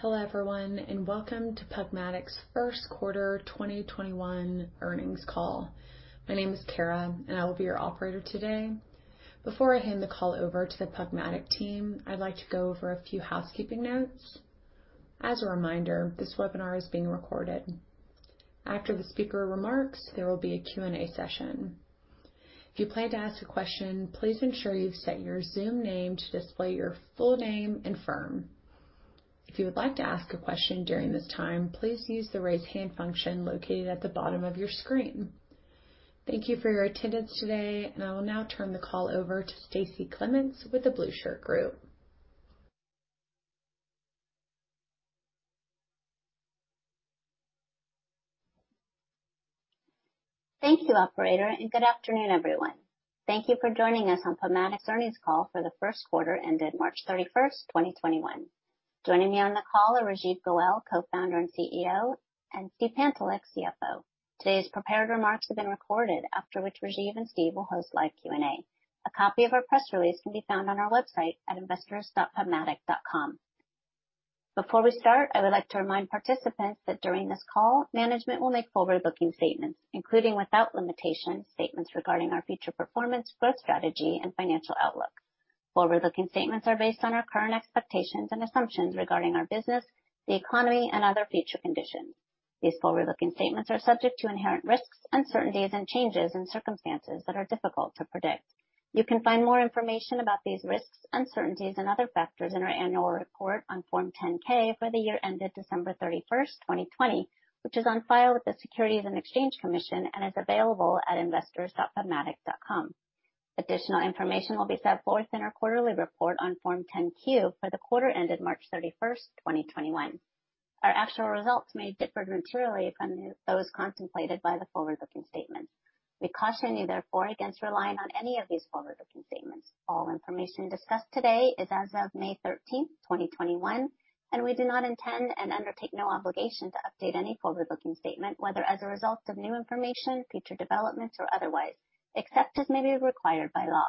Hello everyone, and welcome to PubMatic's first quarter 2021 earnings call. My name is Kara, and I will be your operator today. Before I hand the call over to the PubMatic team, I'd like to go over a few housekeeping notes. As a reminder, this webinar is being recorded. After the speaker remarks, there will be a Q&A session. If you plan to ask a question, please ensure you've set your Zoom name to display your full name and firm. If you would like to ask a question during this time, please use the raise hand function located at the bottom of your screen. Thank you for your attendance today, and I will now turn the call over to Stacie Clements with The Blueshirt Group. Thank you, operator, and good afternoon, everyone. Thank you for joining us on PubMatic's earnings call for the first quarter ended March 31st, 2021. Joining me on the call are Rajeev Goel, Co-Founder and CEO, and Steve Pantelick, CFO. Today's prepared remarks have been recorded, after which Rajeev and Steve will host live Q&A. A copy of our press release can be found on our website at investors.pubmatic.com. Before we start, I would like to remind participants that during this call, management will make forward-looking statements, including without limitation, statements regarding our future performance, growth strategy and financial outlook. Forward-looking statements are based on our current expectations and assumptions regarding our business, the economy and other future conditions. These forward-looking statements are subject to inherent risks, uncertainties, and changes in circumstances that are difficult to predict. You can find more information about these risks, uncertainties, and other factors in our annual report on Form 10-K for the year ended December 31st, 2020, which is on file with the Securities and Exchange Commission and is available at investors.pubmatic.com. Additional information will be set forth in our quarterly report on Form 10-Q for the quarter ended March 31st, 2021. Our actual results may differ materially from those contemplated by the forward-looking statements. We caution you, therefore, against relying on any of these forward-looking statements. All information discussed today is as of May 13th, 2021, and we do not intend and undertake no obligation to update any forward-looking statement, whether as a result of new information, future developments, or otherwise, except as may be required by law.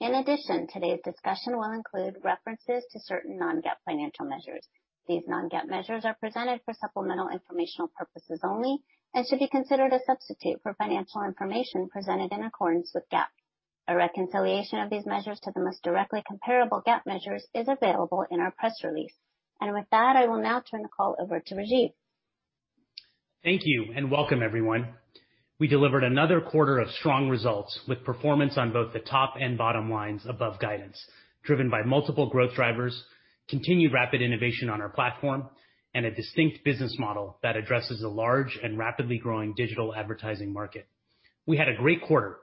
In addition, today's discussion will include references to certain non-GAAP financial measures. These non-GAAP measures are presented for supplemental informational purposes only and should be considered a substitute for financial information presented in accordance with GAAP. A reconciliation of these measures to the most directly comparable GAAP measures is available in our press release. With that, I will now turn the call over to Rajeev. Thank you, and welcome everyone. We delivered another quarter of strong results with performance on both the top and bottom lines above guidance, driven by multiple growth drivers, continued rapid innovation on our platform, and a distinct business model that addresses a large and rapidly growing digital advertising market. We had a great quarter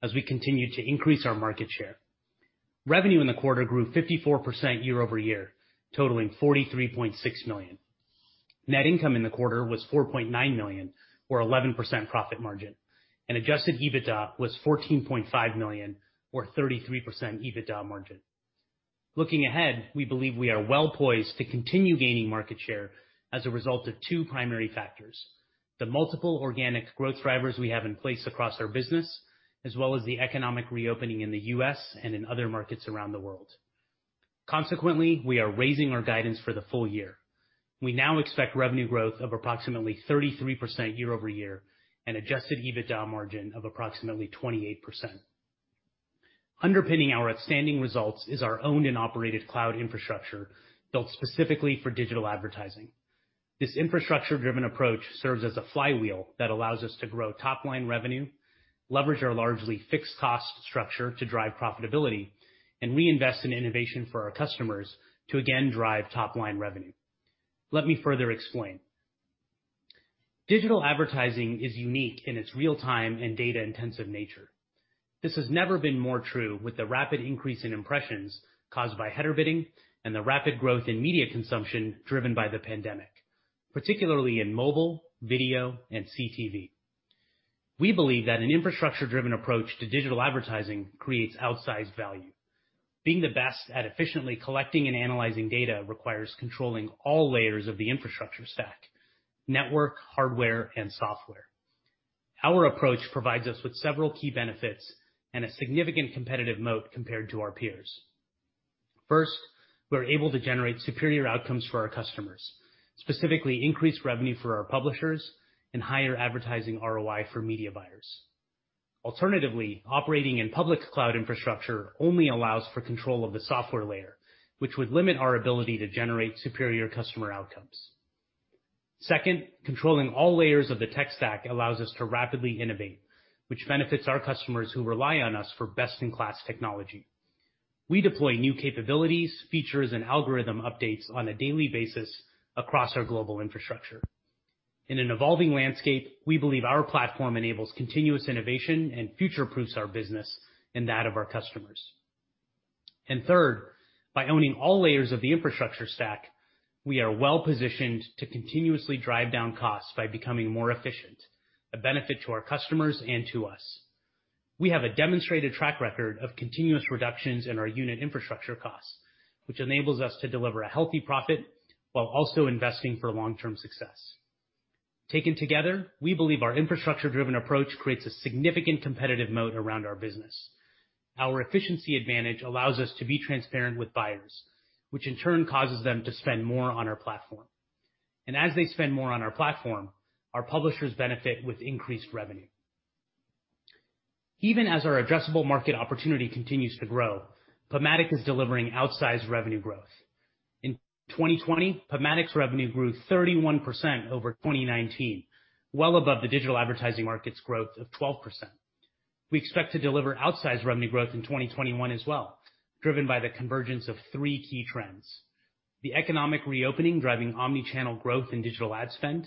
as we continued to increase our market share. Revenue in the quarter grew 54% year-over-year, totaling $43.6 million. Net income in the quarter was $4.9 million or 11% profit margin, and adjusted EBITDA was $14.5 million or 33% EBITDA margin. Looking ahead, we believe we are well-poised to continue gaining market share as a result of two primary factors, the multiple organic growth drivers we have in place across our business, as well as the economic reopening in the U.S. and in other markets around the world. Consequently, we are raising our guidance for the full year. We now expect revenue growth of approximately 33% year-over-year, and adjusted EBITDA margin of approximately 28%. Underpinning our outstanding results is our owned and operated cloud infrastructure built specifically for digital advertising. This infrastructure-driven approach serves as a flywheel that allows us to grow top-line revenue, leverage our largely fixed cost structure to drive profitability, and reinvest in innovation for our customers to again, drive top-line revenue. Let me further explain. Digital advertising is unique in its real-time and data-intensive nature. This has never been more true with the rapid increase in impressions caused by header bidding and the rapid growth in media consumption driven by the pandemic, particularly in mobile, video, and CTV. We believe that an infrastructure-driven approach to digital advertising creates outsized value. Being the best at efficiently collecting and analyzing data requires controlling all layers of the infrastructure stack: network, hardware, and software. Our approach provides us with several key benefits and a significant competitive moat compared to our peers. First, we're able to generate superior outcomes for our customers, specifically increased revenue for our publishers and higher advertising ROI for media buyers. Alternatively, operating in public cloud infrastructure only allows for control of the software layer, which would limit our ability to generate superior customer outcomes. Second, controlling all layers of the tech stack allows us to rapidly innovate, which benefits our customers who rely on us for best-in-class technology. We deploy new capabilities, features, and algorithm updates on a daily basis across our global infrastructure. In an evolving landscape, we believe our platform enables continuous innovation and future-proofs our business and that of our customers. Third, by owning all layers of the infrastructure stack, we are well-positioned to continuously drive down costs by becoming more efficient, a benefit to our customers and to us. We have a demonstrated track record of continuous reductions in our unit infrastructure costs, which enables us to deliver a healthy profit while also investing for long-term success. Taken together, we believe our infrastructure-driven approach creates a significant competitive moat around our business. Our efficiency advantage allows us to be transparent with buyers, which in turn causes them to spend more on our platform. As they spend more on our platform, our publishers benefit with increased revenue. Even as our addressable market opportunity continues to grow, PubMatic is delivering outsized revenue growth. In 2020, PubMatic's revenue grew 31% over 2019, well above the digital advertising market's growth of 12%. We expect to deliver outsized revenue growth in 2021 as well, driven by the convergence of three key trends. The economic reopening driving omni-channel growth in digital ad spend,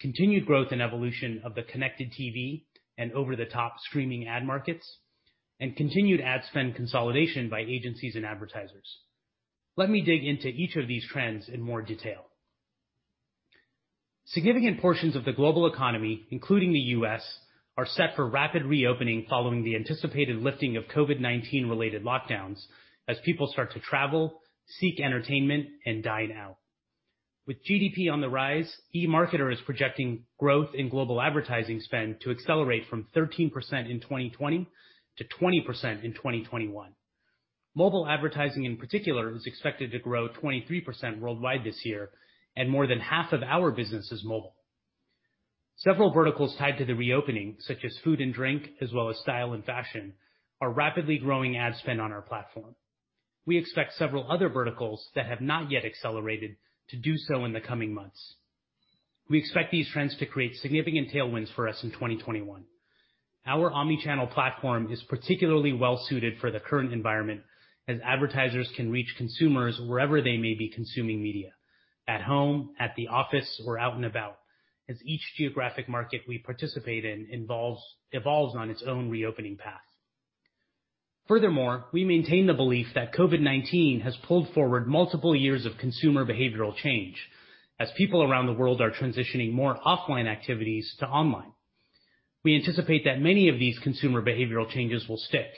continued growth and evolution of the connected TV and over-the-top streaming ad markets, and continued ad spend consolidation by agencies and advertisers. Let me dig into each of these trends in more detail. Significant portions of the global economy, including the U.S., are set for rapid reopening following the anticipated lifting of COVID-19 related lockdowns as people start to travel, seek entertainment, and dine out. With GDP on the rise, eMarketer is projecting growth in global advertising spend to accelerate from 13% in 2020 to 20% in 2021. Mobile advertising, in particular, is expected to grow 23% worldwide this year, and more than half of our business is mobile. Several verticals tied to the reopening, such as food and drink, as well as style and fashion, are rapidly growing ad spend on our platform. We expect several other verticals that have not yet accelerated to do so in the coming months. We expect these trends to create significant tailwinds for us in 2021. Our omni-channel platform is particularly well-suited for the current environment as advertisers can reach consumers wherever they may be consuming media, at home, at the office, or out and about, as each geographic market we participate in evolves on its own reopening path. Furthermore, we maintain the belief that COVID-19 has pulled forward multiple years of consumer behavioral change as people around the world are transitioning more offline activities to online. We anticipate that many of these consumer behavioral changes will stick,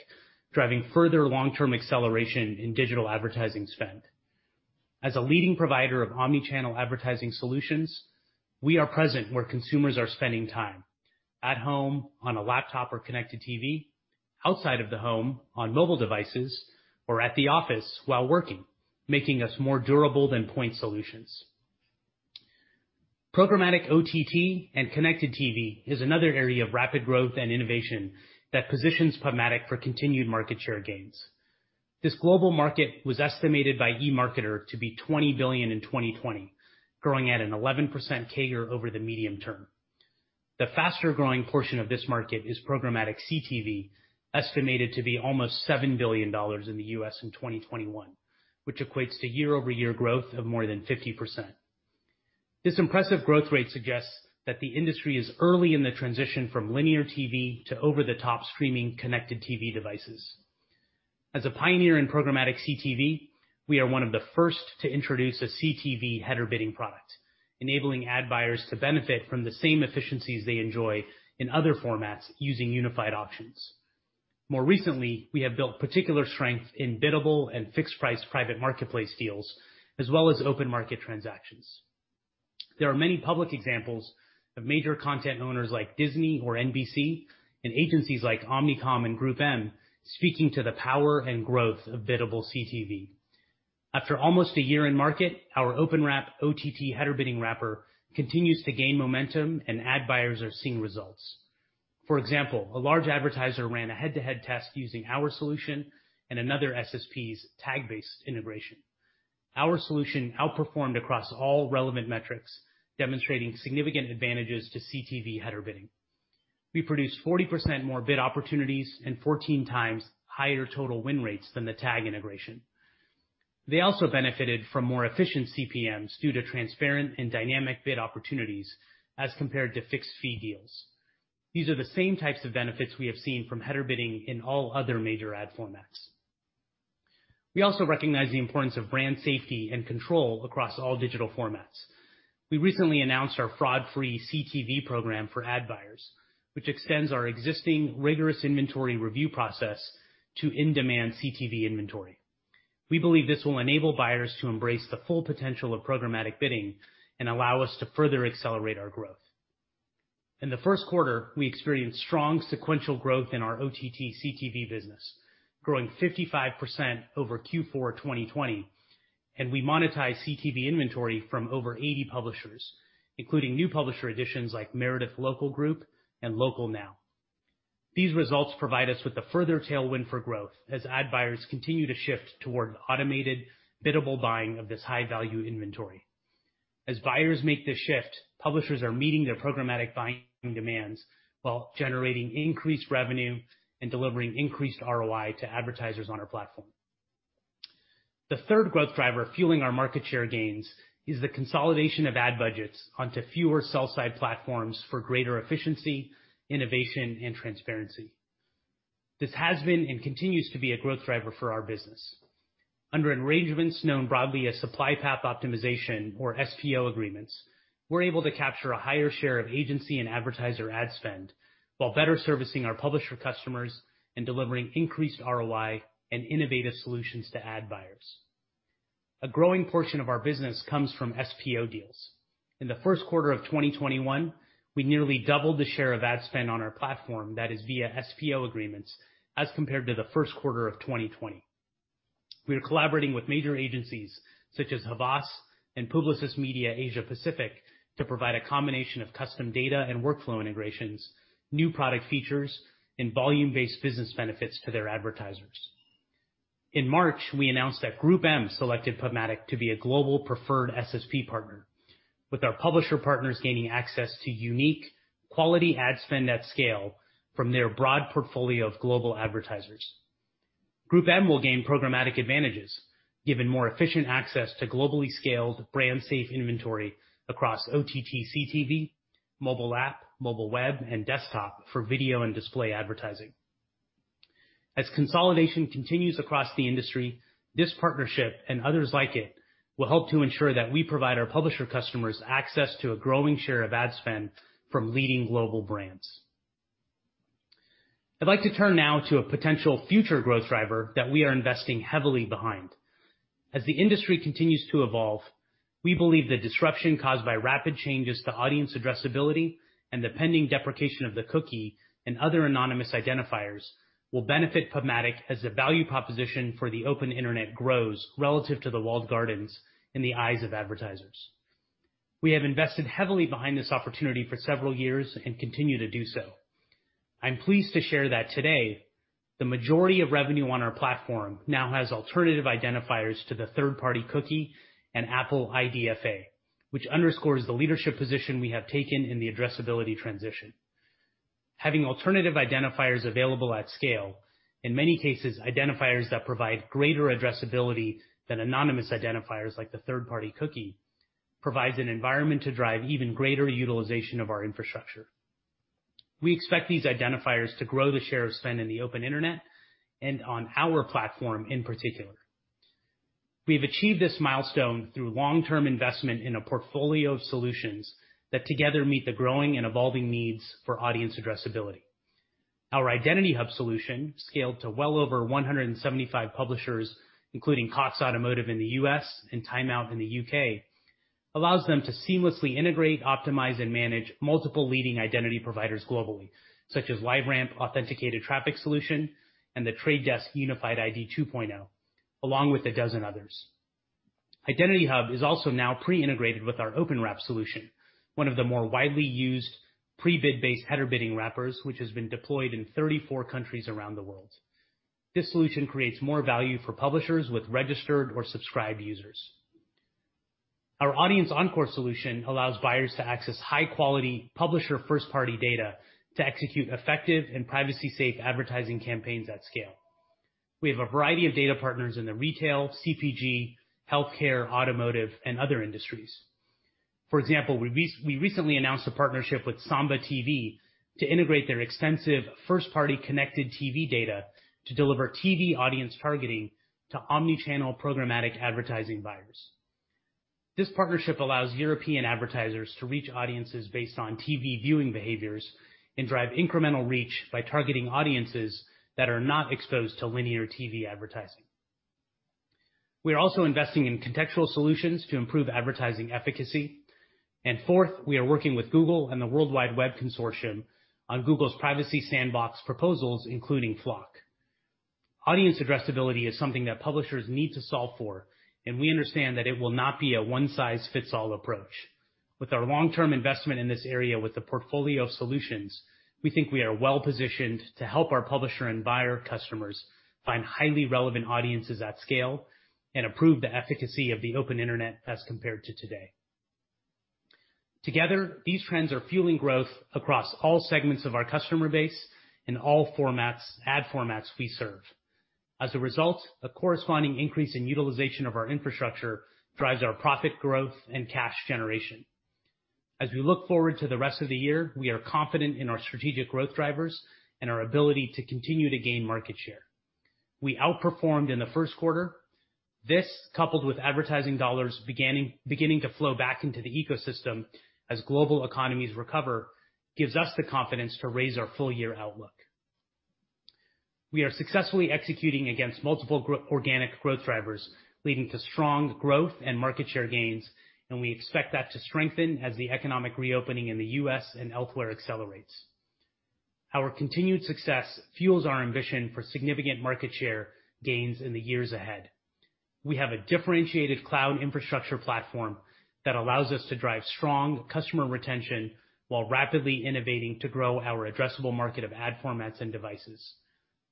driving further long-term acceleration in digital advertising spend. As a leading provider of omni-channel advertising solutions, we are present where consumers are spending time, at home on a laptop or connected TV, outside of the home on mobile devices, or at the office while working, making us more durable than point solutions. Programmatic OTT and connected TV is another area of rapid growth and innovation that positions PubMatic for continued market share gains. This global market was estimated by eMarketer to be $20 billion in 2020, growing at an 11% CAGR over the medium term. The faster-growing portion of this market is programmatic CTV, estimated to be almost $7 billion in the U.S. in 2021, which equates to year-over-year growth of more than 50%. This impressive growth rate suggests that the industry is early in the transition from linear TV to over-the-top streaming connected TV devices. As a pioneer in programmatic CTV, we are one of the first to introduce a CTV header bidding product, enabling ad buyers to benefit from the same efficiencies they enjoy in other formats using unified auctions. More recently, we have built particular strength in biddable and fixed price private marketplace deals, as well as open market transactions. There are many public examples of major content owners like Disney or NBC and agencies like Omnicom and GroupM speaking to the power and growth of biddable CTV. After almost a year in market, our OpenWrap OTT header bidding wrapper continues to gain momentum and ad buyers are seeing results. For example, a large advertiser ran a head-to-head test using our solution and another SSP's tag-based integration. Our solution outperformed across all relevant metrics, demonstrating significant advantages to CTV header bidding. We produced 40% more bid opportunities and 14x higher total win rates than the tag integration. They also benefited from more efficient CPMs due to transparent and dynamic bid opportunities as compared to fixed fee deals. These are the same types of benefits we have seen from header bidding in all other major ad formats. We also recognize the importance of brand safety and control across all digital formats. We recently announced our fraud-free CTV program for ad buyers, which extends our existing rigorous inventory review process to in-demand CTV inventory. We believe this will enable buyers to embrace the full potential of programmatic bidding and allow us to further accelerate our growth. In the first quarter, we experienced strong sequential growth in our OTT CTV business, growing 55% over Q4 2020, and we monetized CTV inventory from over 80 publishers, including new publisher additions like Meredith Local Media Group and Local Now. These results provide us with a further tailwind for growth as ad buyers continue to shift toward automated biddable buying of this high-value inventory. As buyers make this shift, publishers are meeting their programmatic buying demands while generating increased revenue and delivering increased ROI to advertisers on our platform. The third growth driver fueling our market share gains is the consolidation of ad budgets onto fewer sell-side platforms for greater efficiency, innovation, and transparency. This has been and continues to be a growth driver for our business. Under arrangements known broadly as Supply Path Optimization or SPO agreements, we're able to capture a higher share of agency and advertiser ad spend while better servicing our publisher customers and delivering increased ROI and innovative solutions to ad buyers. A growing portion of our business comes from SPO deals. In the first quarter of 2021, we nearly doubled the share of ad spend on our platform that is via SPO agreements as compared to the first quarter of 2020. We are collaborating with major agencies such as Havas and Publicis Media Asia Pacific to provide a combination of custom data and workflow integrations, new product features, and volume-based business benefits to their advertisers. In March, we announced that GroupM selected PubMatic to be a global preferred SSP partner, with our publisher partners gaining access to unique quality ad spend at scale from their broad portfolio of global advertisers. GroupM will gain programmatic advantages, given more efficient access to globally scaled brand safe inventory across OTT/CTV, mobile app, mobile web, and desktop for video and display advertising. Consolidation continues across the industry, this partnership and others like it will help to ensure that we provide our publisher customers access to a growing share of ad spend from leading global brands. I'd like to turn now to a potential future growth driver that we are investing heavily behind. The industry continues to evolve, we believe the disruption caused by rapid changes to audience addressability and the pending deprecation of the cookie and other anonymous identifiers will benefit PubMatic as the value proposition for the open internet grows relative to the walled gardens in the eyes of advertisers. We have invested heavily behind this opportunity for several years and continue to do so. I'm pleased to share that today, the majority of revenue on our platform now has alternative identifiers to the third-party cookie and Apple IDFA, which underscores the leadership position we have taken in the addressability transition. Having alternative identifiers available at scale, in many cases, identifiers that provide greater addressability than anonymous identifiers like the third-party cookie, provides an environment to drive even greater utilization of our infrastructure. We expect these identifiers to grow the share of spend in the open internet and on our platform in particular. We've achieved this milestone through long-term investment in a portfolio of solutions that together meet the growing and evolving needs for audience addressability. Our Identity Hub solution scaled to well over 175 publishers, including Cox Automotive in the U.S. and Time Out in the U.K., allows them to seamlessly integrate, optimize, and manage multiple leading identity providers globally, such as LiveRamp Authenticated Traffic Solution, and The Trade Desk Unified ID 2.0, along with a dozen others. Identity Hub is also now pre-integrated with our OpenWrap solution, one of the more widely used prebid-based header bidding wrappers, which has been deployed in 34 countries around the world. This solution creates more value for publishers with registered or subscribed users. Our Audience Encore solution allows buyers to access high-quality publisher first-party data to execute effective and privacy-safe advertising campaigns at scale. We have a variety of data partners in the retail, CPG, healthcare, automotive, and other industries. For example, we recently announced a partnership with Samba TV to integrate their extensive first-party connected TV data to deliver TV audience targeting to omni-channel programmatic advertising buyers. This partnership allows European advertisers to reach audiences based on TV viewing behaviors and drive incremental reach by targeting audiences that are not exposed to linear TV advertising. We're also investing in contextual solutions to improve advertising efficacy. Fourth, we are working with Google and the World Wide Web Consortium on Google's Privacy Sandbox proposals, including FLoC. Audience addressability is something that publishers need to solve for, and we understand that it will not be a one-size-fits-all approach. With our long-term investment in this area with a portfolio of solutions, we think we are well-positioned to help our publisher and buyer customers find highly relevant audiences at scale and improve the efficacy of the open internet as compared to today. Together, these trends are fueling growth across all segments of our customer base in all ad formats we serve. As a result, a corresponding increase in utilization of our infrastructure drives our profit growth and cash generation. As we look forward to the rest of the year, we are confident in our strategic growth drivers and our ability to continue to gain market share. We outperformed in the first quarter. This, coupled with advertising dollars beginning to flow back into the ecosystem as global economies recover, gives us the confidence to raise our full-year outlook. We are successfully executing against multiple organic growth drivers, leading to strong growth and market share gains, and we expect that to strengthen as the economic reopening in the U.S. and elsewhere accelerates. Our continued success fuels our ambition for significant market share gains in the years ahead. We have a differentiated cloud infrastructure platform that allows us to drive strong customer retention while rapidly innovating to grow our addressable market of ad formats and devices.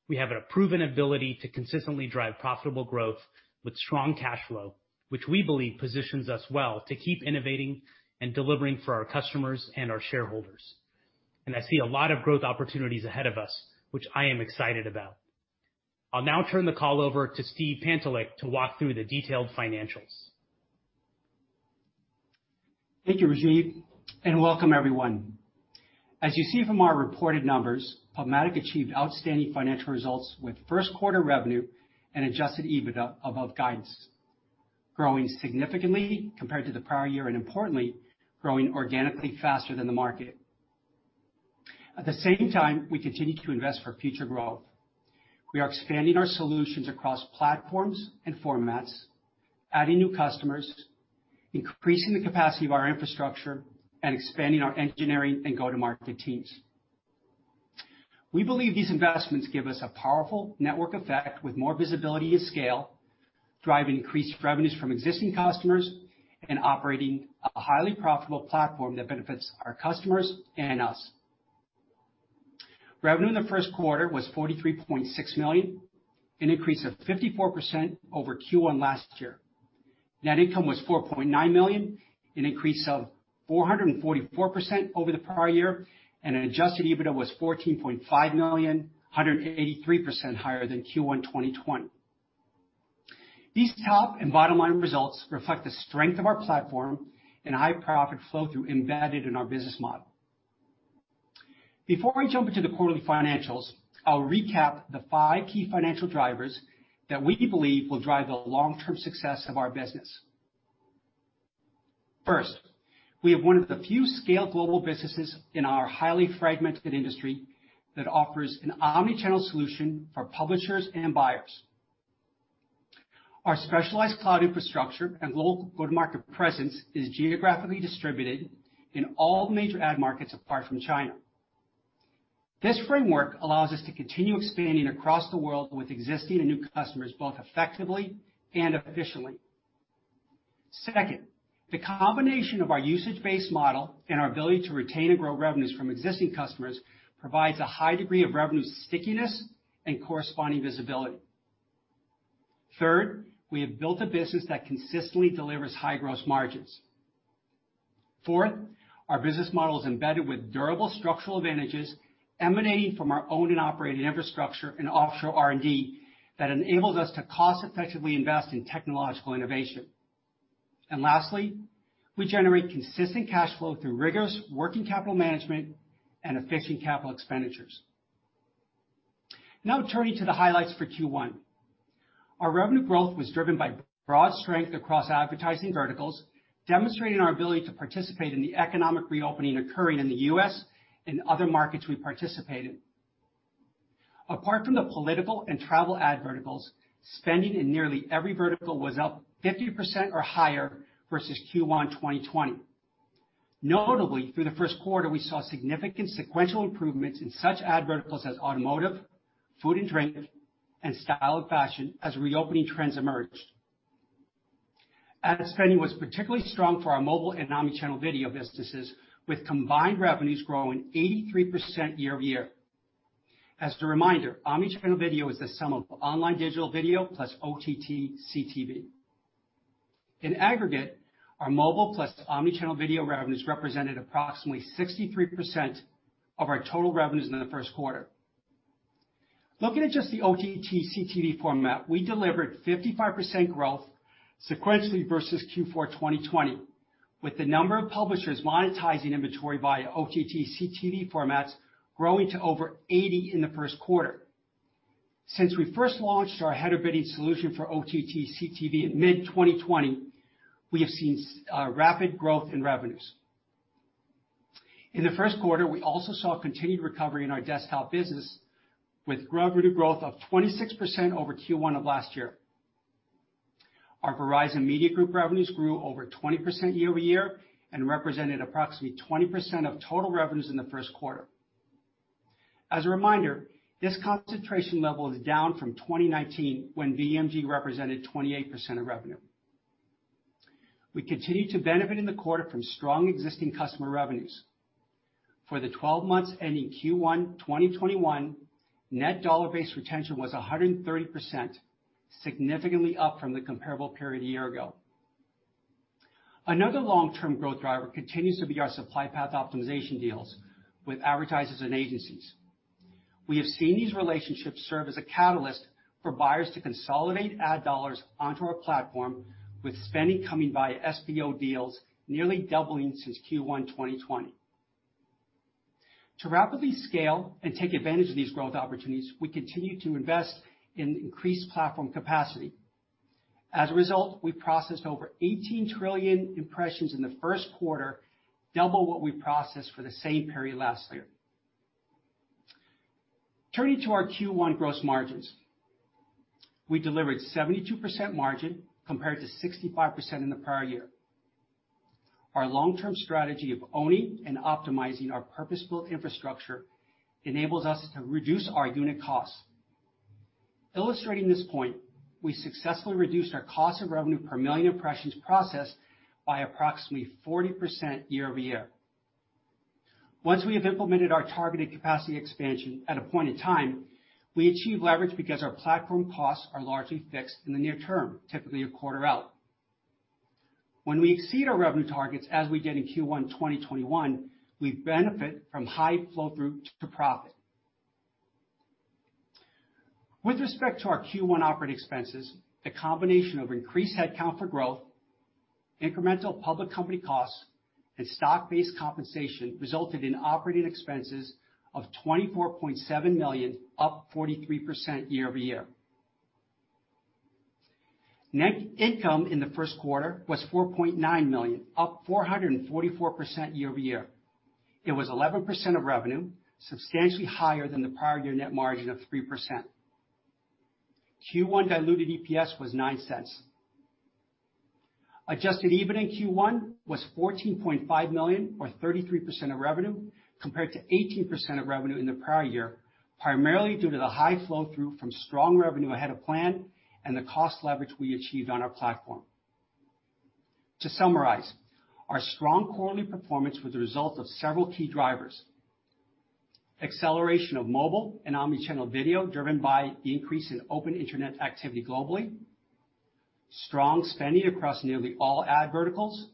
We have a proven ability to consistently drive profitable growth with strong cash flow, which we believe positions us well to keep innovating and delivering for our customers and our shareholders. I see a lot of growth opportunities ahead of us, which I am excited about. I'll now turn the call over to Steve Pantelick to walk through the detailed financials. Thank you, Rajeev, and welcome everyone. As you see from our reported numbers, PubMatic achieved outstanding financial results with first quarter revenue and adjusted EBITDA above guidance, growing significantly compared to the prior year, and importantly, growing organically faster than the market. At the same time, we continue to invest for future growth. We are expanding our solutions across platforms and formats, adding new customers, increasing the capacity of our infrastructure, and expanding our engineering and go-to-market teams. We believe these investments give us a powerful network effect with more visibility to scale, drive increased revenues from existing customers, and operating a highly profitable platform that benefits our customers and us. Revenue in the first quarter was $43.6 million, an increase of 54% over Q1 last year. Net income was $4.9 million, an increase of 444% over the prior year, and adjusted EBITDA was $14.5 million, 183% higher than Q1 2020. These top and bottom line results reflect the strength of our platform and high profit flow through embedded in our business model. Before we jump into the quarterly financials, I'll recap the five key financial drivers that we believe will drive the long-term success of our business. First, we have one of the few scaled global businesses in our highly fragmented industry that offers an omni-channel solution for publishers and buyers. Our specialized cloud infrastructure and global go-to-market presence is geographically distributed in all major ad markets apart from China. This framework allows us to continue expanding across the world with existing and new customers, both effectively and efficiently. Second, the combination of our usage-based model and our ability to retain and grow revenues from existing customers provides a high degree of revenue stickiness and corresponding visibility. Third, we have built a business that consistently delivers high gross margins. Fourth, our business model is embedded with durable structural advantages emanating from our owned and operated infrastructure and offshore R&D that enables us to cost effectively invest in technological innovation. Lastly, we generate consistent cash flow through rigorous working capital management and efficient capital expenditures. Now turning to the highlights for Q1. Our revenue growth was driven by broad strength across advertising verticals, demonstrating our ability to participate in the economic reopening occurring in the U.S. and other markets we participate in. Apart from the political and travel ad verticals, spending in nearly every vertical was up 50% or higher versus Q1 2020. Notably, through the first quarter, we saw significant sequential improvements in such ad verticals as automotive, food and drink, and style fashion as reopening trends emerged. Ad spending was particularly strong for our mobile and omni-channel video businesses, with combined revenues growing 83% year-over-year. As a reminder, omni-channel video is the sum of online digital video plus OTT/CTV. In aggregate, our mobile plus omni-channel video revenues represented approximately 63% of our total revenues in the first quarter. Looking at just the OTT/CTV format, we delivered 55% growth sequentially versus Q4 2020, with the number of publishers monetizing inventory via OTT/CTV formats growing to over 80 in the first quarter. Since we first launched our header bidding solution for OTT/CTV in mid-2020, we have seen rapid growth in revenues. In the first quarter, we also saw continued recovery in our desktop business with revenue growth of 26% over Q1 of last year. Our Verizon Media Group revenues grew over 20% year-over-year and represented approximately 20% of total revenues in the first quarter. As a reminder, this concentration level is down from 2019, when VMG represented 28% of revenue. We continued to benefit in the quarter from strong existing customer revenues. For the 12 months ending Q1 2021, net dollar-based retention was 130%, significantly up from the comparable period a year ago. Another long-term growth driver continues to be our Supply Path Optimization deals with advertisers and agencies. We have seen these relationships serve as a catalyst for buyers to consolidate ad dollars onto our platform, with spending coming via SPO deals nearly doubling since Q1 2020. To rapidly scale and take advantage of these growth opportunities, we continue to invest in increased platform capacity. As a result, we processed over 18 trillion impressions in the first quarter, double what we processed for the same period last year. Turning to our Q1 gross margins. We delivered 72% margin compared to 65% in the prior year. Our long-term strategy of owning and optimizing our purpose-built infrastructure enables us to reduce our unit costs. Illustrating this point, we successfully reduced our cost of revenue per million impressions processed by approximately 40% year-over-year. Once we have implemented our targeted capacity expansion at a point in time, we achieve leverage because our platform costs are largely fixed in the near term, typically a quarter out. When we exceed our revenue targets, as we did in Q1 2021, we benefit from high flow through to profit. With respect to our Q1 operating expenses, the combination of increased headcount for growth, incremental public company costs, and stock-based compensation resulted in operating expenses of $24.7 million, up 43% year-over-year. Net income in the first quarter was $4.9 million, up 444% year-over-year. It was 11% of revenue, substantially higher than the prior year net margin of 3%. Q1 diluted EPS was $0.09. Adjusted EBITDA in Q1 was $14.5 million, or 33% of revenue, compared to 18% of revenue in the prior year, primarily due to the high flow-through from strong revenue ahead of plan and the cost leverage we achieved on our platform. To summarize, our strong quarterly performance was a result of several key drivers. Acceleration of mobile and omni-channel video driven by the increase in open internet activity globally. Strong spending across nearly all ad verticals.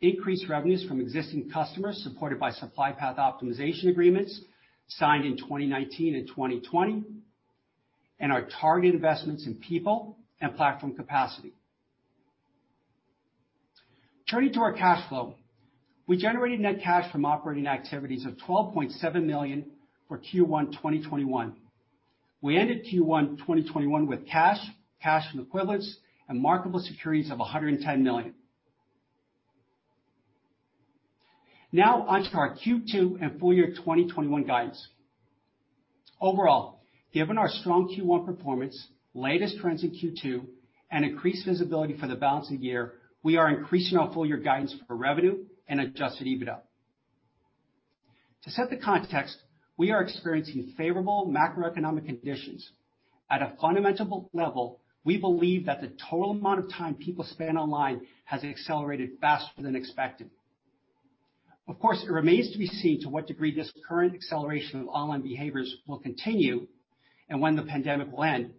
Increased revenues from existing customers supported by Supply Path Optimization agreements signed in 2019 and 2020. Our targeted investments in people and platform capacity. Turning to our cash flow. We generated net cash from operating activities of $12.7 million for Q1 2021. We ended Q1 2021 with cash and equivalents, and marketable securities of $110 million. Now on to our Q2 and full year 2021 guidance. Overall, given our strong Q1 performance, latest trends in Q2, and increased visibility for the balance of the year, we are increasing our full year guidance for revenue and adjusted EBITDA. To set the context, we are experiencing favorable macroeconomic conditions. At a fundamental level, we believe that the total amount of time people spend online has accelerated faster than expected. Of course, it remains to be seen to what degree this current acceleration of online behaviors will continue and when the pandemic will end.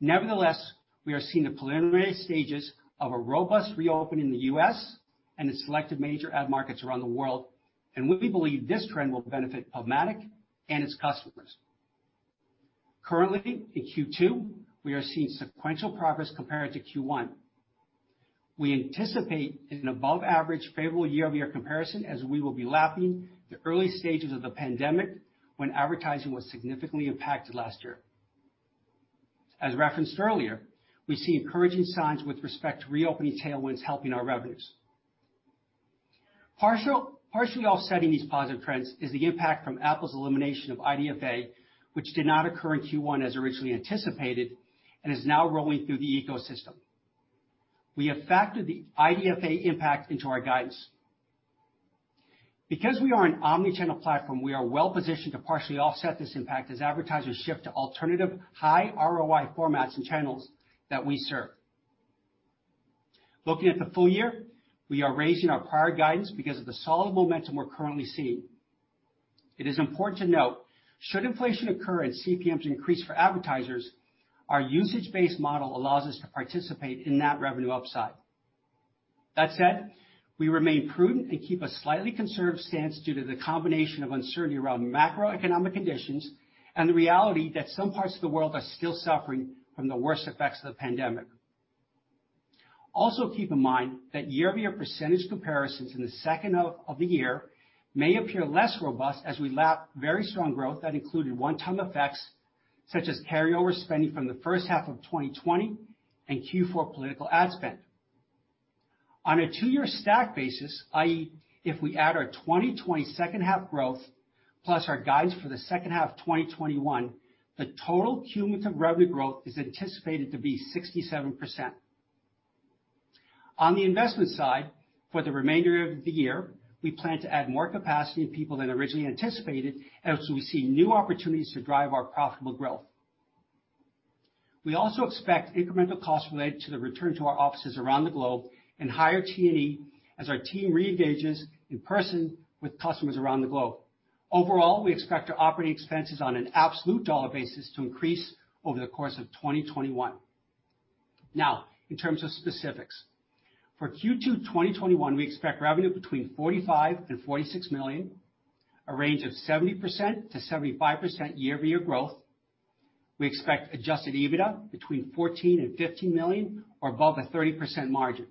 Nevertheless, we are seeing the preliminary stages of a robust reopen in the U.S. And in selected major ad markets around the world, and we believe this trend will benefit PubMatic and its customers. Currently, in Q2, we are seeing sequential progress compared to Q1. We anticipate an above average favorable year-over-year comparison as we will be lapping the early stages of the pandemic when advertising was significantly impacted last year. As referenced earlier, we see encouraging signs with respect to reopening tailwinds helping our revenues. Partially offsetting these positive trends is the impact from Apple's elimination of IDFA, which did not occur in Q1 as originally anticipated and is now rolling through the ecosystem. We have factored the IDFA impact into our guidance. Because we are an omni-channel platform, we are well-positioned to partially offset this impact as advertisers shift to alternative high ROI formats and channels that we serve. Looking at the full year, we are raising our prior guidance because of the solid momentum we're currently seeing. It is important to note, should inflation occur and CPMs increase for advertisers, our usage-based model allows us to participate in that revenue upside. That said, we remain prudent and keep a slightly conservative stance due to the combination of uncertainty around macroeconomic conditions and the reality that some parts of the world are still suffering from the worst effects of the pandemic. Also, keep in mind that year-over-year percentage comparisons in the second half of the year may appear less robust as we lap very strong growth that included one-time effects such as carryover spending from the first half of 2020 and Q4 political ad spend. On a two-year stack basis, i.e., if we add our 2020 second half growth, plus our guidance for the second half of 2021, the total cumulative revenue growth is anticipated to be 67%. On the investment side, for the remainder of the year, we plan to add more capacity and people than originally anticipated as we see new opportunities to drive our profitable growth. We also expect incremental costs related to the return to our offices around the globe and higher T&E as our team reengages in person with customers around the globe. Overall, we expect our operating expenses on an absolute dollar basis to increase over the course of 2021. In terms of specifics. For Q2 2021, we expect revenue between $45 million-$46 million, a range of 70%-75% year-over-year growth. We expect adjusted EBITDA between $14 million and $15 million or above a 30% margin.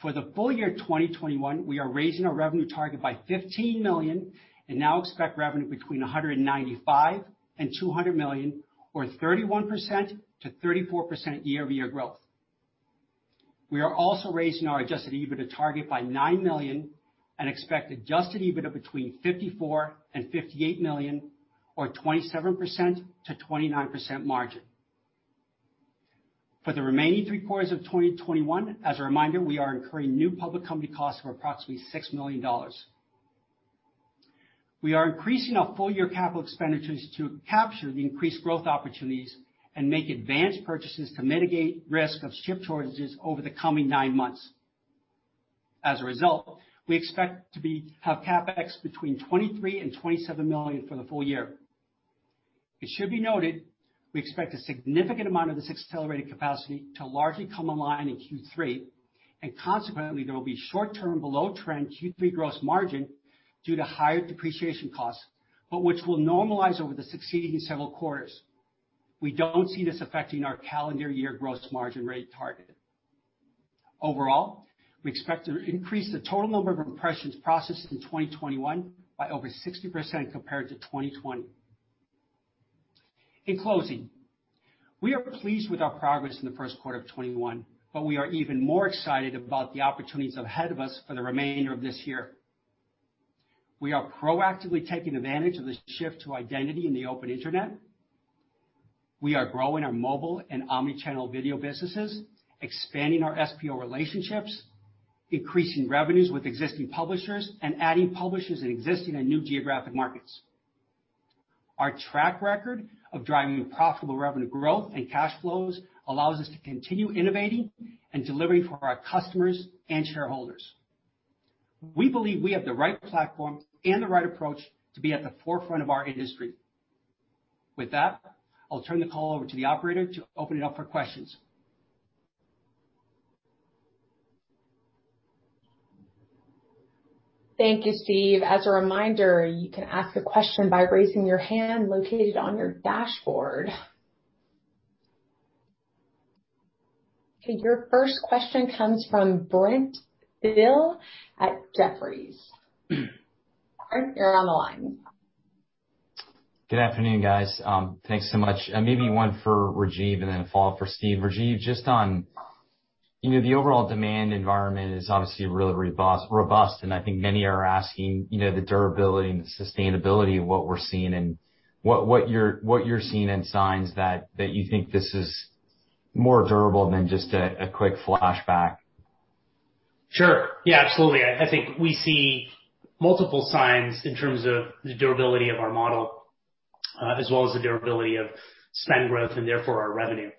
For the full year 2021, we are raising our revenue target by $15 million and now expect revenue between $195 million and $200 million or 31%-34% year-over-year growth. We are also raising our adjusted EBITDA target by $9 million and expect adjusted EBITDA between $54 million and $58 million or 27%-29% margin. For the remaining three quarters of 2021, as a reminder, we are incurring new public company costs of approximately $6 million. We are increasing our full year capital expenditures to capture the increased growth opportunities and make advanced purchases to mitigate risk of chip shortages over the coming nine months. As a result, we expect to have CapEx between $23 million and $27 million for the full year. It should be noted, we expect a significant amount of this accelerated capacity to largely come online in Q3, and consequently, there will be short-term below-trend Q3 gross margin due to higher depreciation costs, but which will normalize over the succeeding several quarters. We don't see this affecting our calendar year gross margin rate target. Overall, we expect to increase the total number of impressions processed in 2021 by over 60% compared to 2020. In closing, we are pleased with our progress in the first quarter of 2021, but we are even more excited about the opportunities ahead of us for the remainder of this year. We are proactively taking advantage of the shift to identity in the open internet. We are growing our mobile and omni-channel video businesses, expanding our SPO relationships, increasing revenues with existing publishers, and adding publishers in existing and new geographic markets. Our track record of driving profitable revenue growth and cash flows allows us to continue innovating and delivering for our customers and shareholders. We believe we have the right platform and the right approach to be at the forefront of our industry. With that, I'll turn the call over to the operator to open it up for questions. Thank you, Steve. As a reminder, you can ask a question by raising your hand located on your dashboard. Okay, your first question comes from Brent Thill at Jefferies. Brent, you're on the line. Good afternoon, guys. Thanks so much. Maybe one for Rajeev and then a follow-up for Steve. Rajeev, just on the overall demand environment is obviously really robust, and I think many are asking the durability and the sustainability of what we're seeing and what you're seeing, and signs that you think this is more durable than just a quick flashback. Sure. Yeah, absolutely. I think we see multiple signs in terms of the durability of our model, as well as the durability of spend growth, and therefore, our revenue.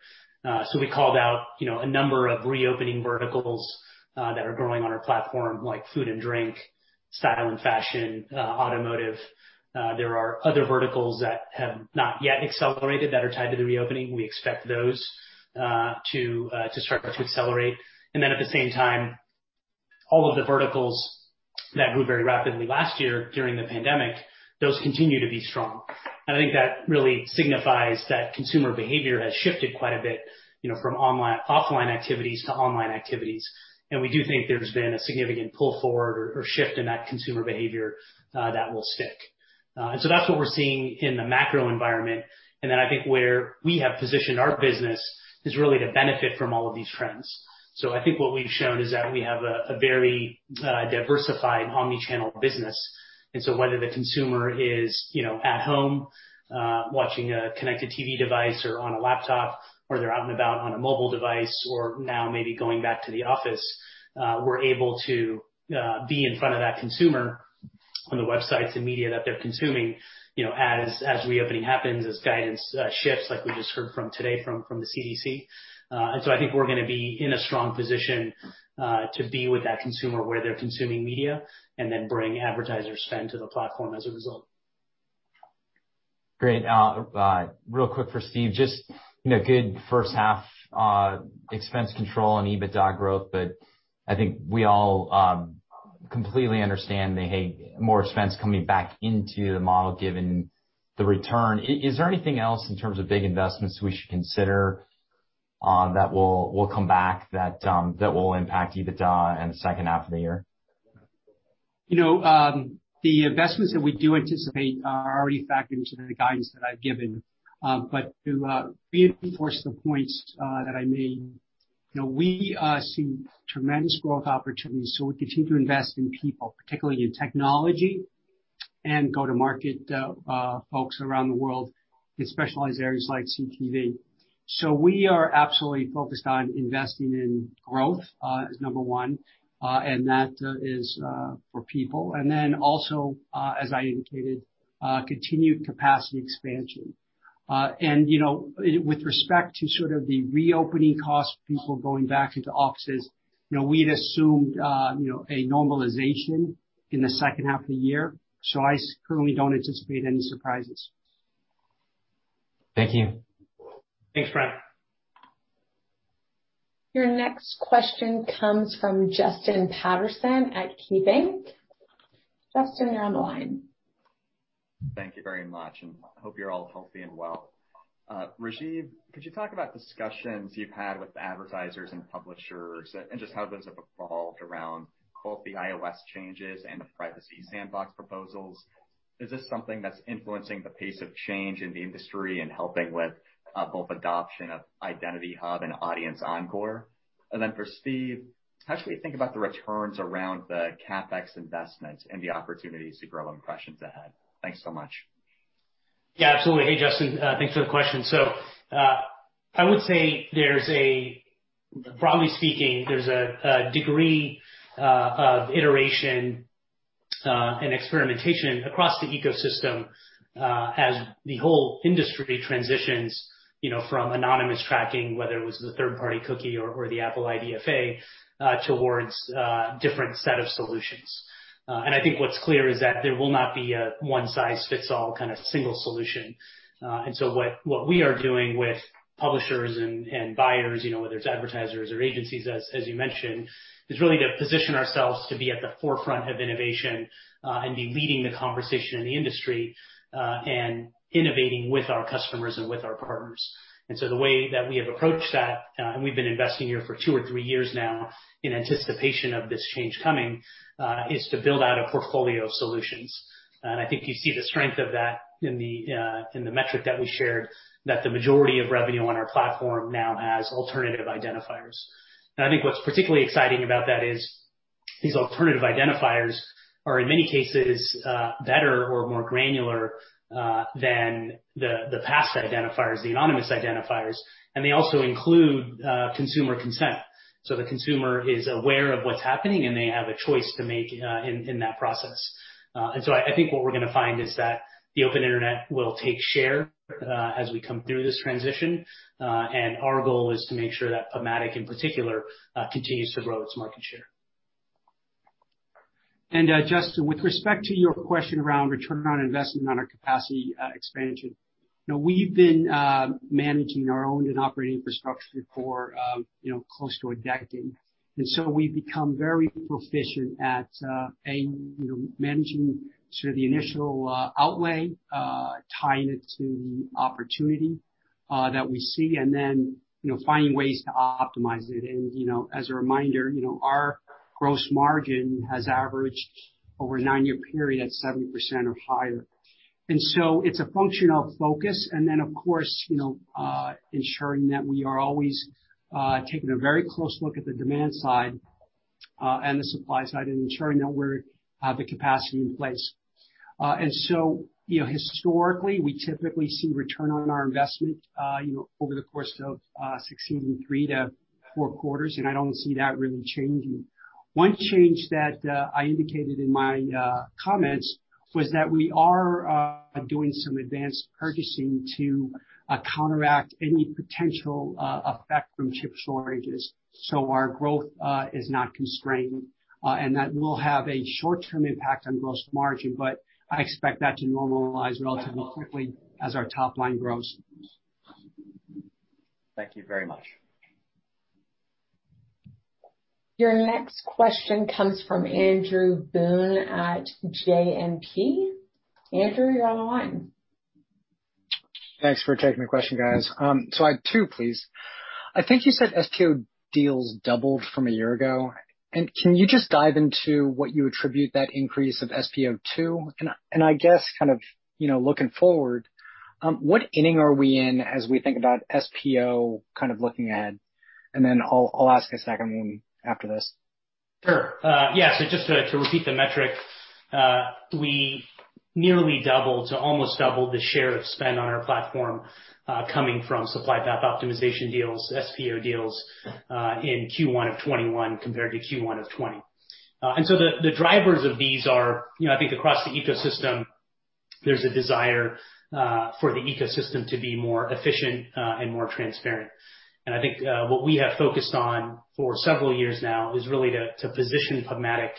I called out a number of reopening verticals that are growing on our platform, like food and drink, style and fashion, automotive. There are other verticals that have not yet accelerated that are tied to the reopening. We expect those to start to accelerate. At the same time, all of the verticals that grew very rapidly last year during the pandemic, those continue to be strong. I think that really signifies that consumer behavior has shifted quite a bit from offline activities to online activities. We do think there's been a significant pull forward or shift in that consumer behavior that will stick. That's what we're seeing in the macro environment. I think where we have positioned our business is really to benefit from all of these trends. I think what we've shown is that we have a very diversified omni-channel business. Whether the consumer is at home, watching a connected TV device or on a laptop, or they're out and about on a mobile device, or now maybe going back to the office, we're able to be in front of that consumer on the websites and media that they're consuming as reopening happens, as guidance shifts, like we just heard from today from the CDC. I think we're gonna be in a strong position to be with that consumer where they're consuming media, and then bring advertiser spend to the platform as a result. Great. Real quick for Steve, just good first half expense control and EBITDA growth, but I think we all completely understand they have more expense coming back into the model given the return. Is there anything else in terms of big investments we should consider that will come back that will impact EBITDA in the second half of the year? The investments that we do anticipate are already factored into the guidance that I've given. To reinforce the points that I made, we see tremendous growth opportunities, so we continue to invest in people, particularly in technology, and go-to-market folks around the world in specialized areas like CTV. We are absolutely focused on investing in growth as number one, and that is for people. Also, as I indicated, continued capacity expansion. With respect to sort of the reopening costs, people going back into offices, we'd assumed a normalization in the second half of the year. I currently don't anticipate any surprises. Thank you. Thanks, Brent. Your next question comes from Justin Patterson at KeyBanc. Justin, you're on the line. Thank you very much, and hope you're all healthy and well. Rajeev, could you talk about discussions you've had with advertisers and publishers, and just how those have evolved around both the iOS changes and the Privacy Sandbox proposals? Is this something that's influencing the pace of change in the industry and helping with both adoption of Identity Hub and Audience Encore? Then for Steve, how should we think about the returns around the CapEx investments and the opportunities to grow impressions ahead? Thanks so much. Yeah, absolutely. Hey, Justin. Thanks for the question. I would say, broadly speaking, there's a degree of iteration and experimentation across the ecosystem as the whole industry transitions from anonymous tracking, whether it was the third-party cookie or the Apple IDFA towards a different set of solutions. I think what's clear is that there will not be a one size fits all kind of single solution. What we are doing with publishers and buyers, whether it's advertisers or agencies, as you mentioned, is really to position ourselves to be at the forefront of innovation and be leading the conversation in the industry, and innovating with our customers and with our partners. The way that we have approached that, and we've been investing here for two or three years now in anticipation of this change coming, is to build out a portfolio of solutions. I think you see the strength of that in the metric that we shared, that the majority of revenue on our platform now has alternative identifiers. I think what's particularly exciting about that is these alternative identifiers are, in many cases, better or more granular than the past identifiers, the anonymous identifiers, and they also include consumer consent. The consumer is aware of what's happening, and they have a choice to make in that process. I think what we're going to find is that the open internet will take share as we come through this transition. Our goal is to make sure that PubMatic, in particular, continues to grow its market share. Justin, with respect to your question around return on investment on our capacity expansion. We've been managing our owned and operating infrastructure for close to a decade. We've become very proficient at, A, managing sort of the initial outlay, tying it to the opportunity that we see and then finding ways to optimize it. As a reminder, our gross margin has averaged over a nine-year period, 70% or higher. It's a function of focus and then, of course, ensuring that we are always taking a very close look at the demand side and the supply side and ensuring that we have the capacity in place. Historically, we typically see return on our investment over the course of succeeding three to four quarters, and I don't see that really changing. One change that I indicated in my comments was that we are doing some advanced purchasing to counteract any potential effect from chip shortages, our growth is not constrained. That will have a short-term impact on gross margin, but I expect that to normalize relatively quickly as our top line grows. Thank you very much. Your next question comes from Andrew Boone at JMP. Andrew, you're on the line. Thanks for taking the question, guys. I have two, please. I think you said SPO deals doubled from a year ago. Can you just dive into what you attribute that increase of SPO to? I guess kind of looking forward, what inning are we in as we think about SPO kind of looking ahead? Then I'll ask a second one after this. Sure. Yeah. Just to repeat the metric, we nearly doubled to almost doubled the share of spend on our platform, coming from Supply Path Optimization deals, SPO deals, in Q1 2021 compared to Q1 2020. The drivers of these are, I think across the ecosystem, there's a desire for the ecosystem to be more efficient and more transparent. I think what we have focused on for several years now is really to position PubMatic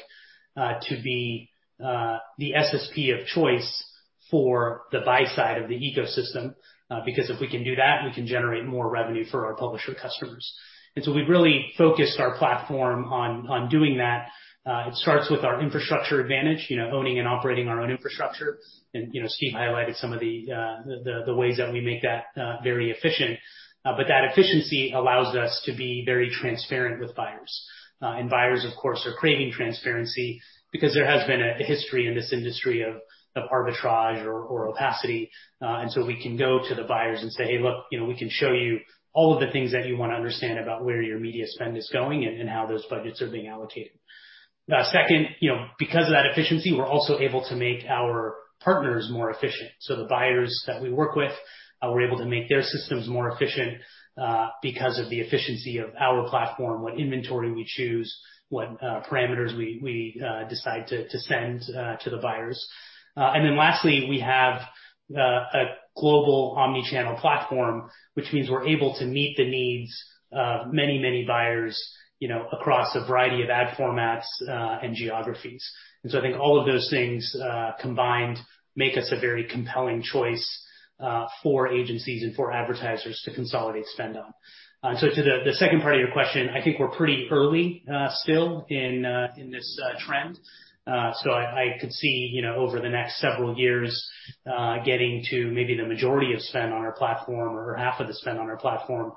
to be the SSP of choice for the buy side of the ecosystem. Because if we can do that, we can generate more revenue for our publisher customers. We've really focused our platform on doing that. It starts with our infrastructure advantage, owning and operating our own infrastructure. Steve highlighted some of the ways that we make that very efficient. That efficiency allows us to be very transparent with buyers. Buyers, of course, are craving transparency because there has been a history in this industry of arbitrage or opacity. We can go to the buyers and say, "Hey, look, we can show you all of the things that you want to understand about where your media spend is going and how those budgets are being allocated." Second, because of that efficiency, we're also able to make our partners more efficient. The buyers that we work with, we're able to make their systems more efficient because of the efficiency of our platform, what inventory we choose, what parameters we decide to send to the buyers. Lastly, we have a global omni-channel platform, which means we're able to meet the needs of many buyers across a variety of ad formats and geographies. I think all of those things combined make us a very compelling choice for agencies and for advertisers to consolidate spend on. To the second part of your question, I think we're pretty early still in this trend. I could see over the next several years, getting to maybe the majority of spend on our platform or half of the spend on our platform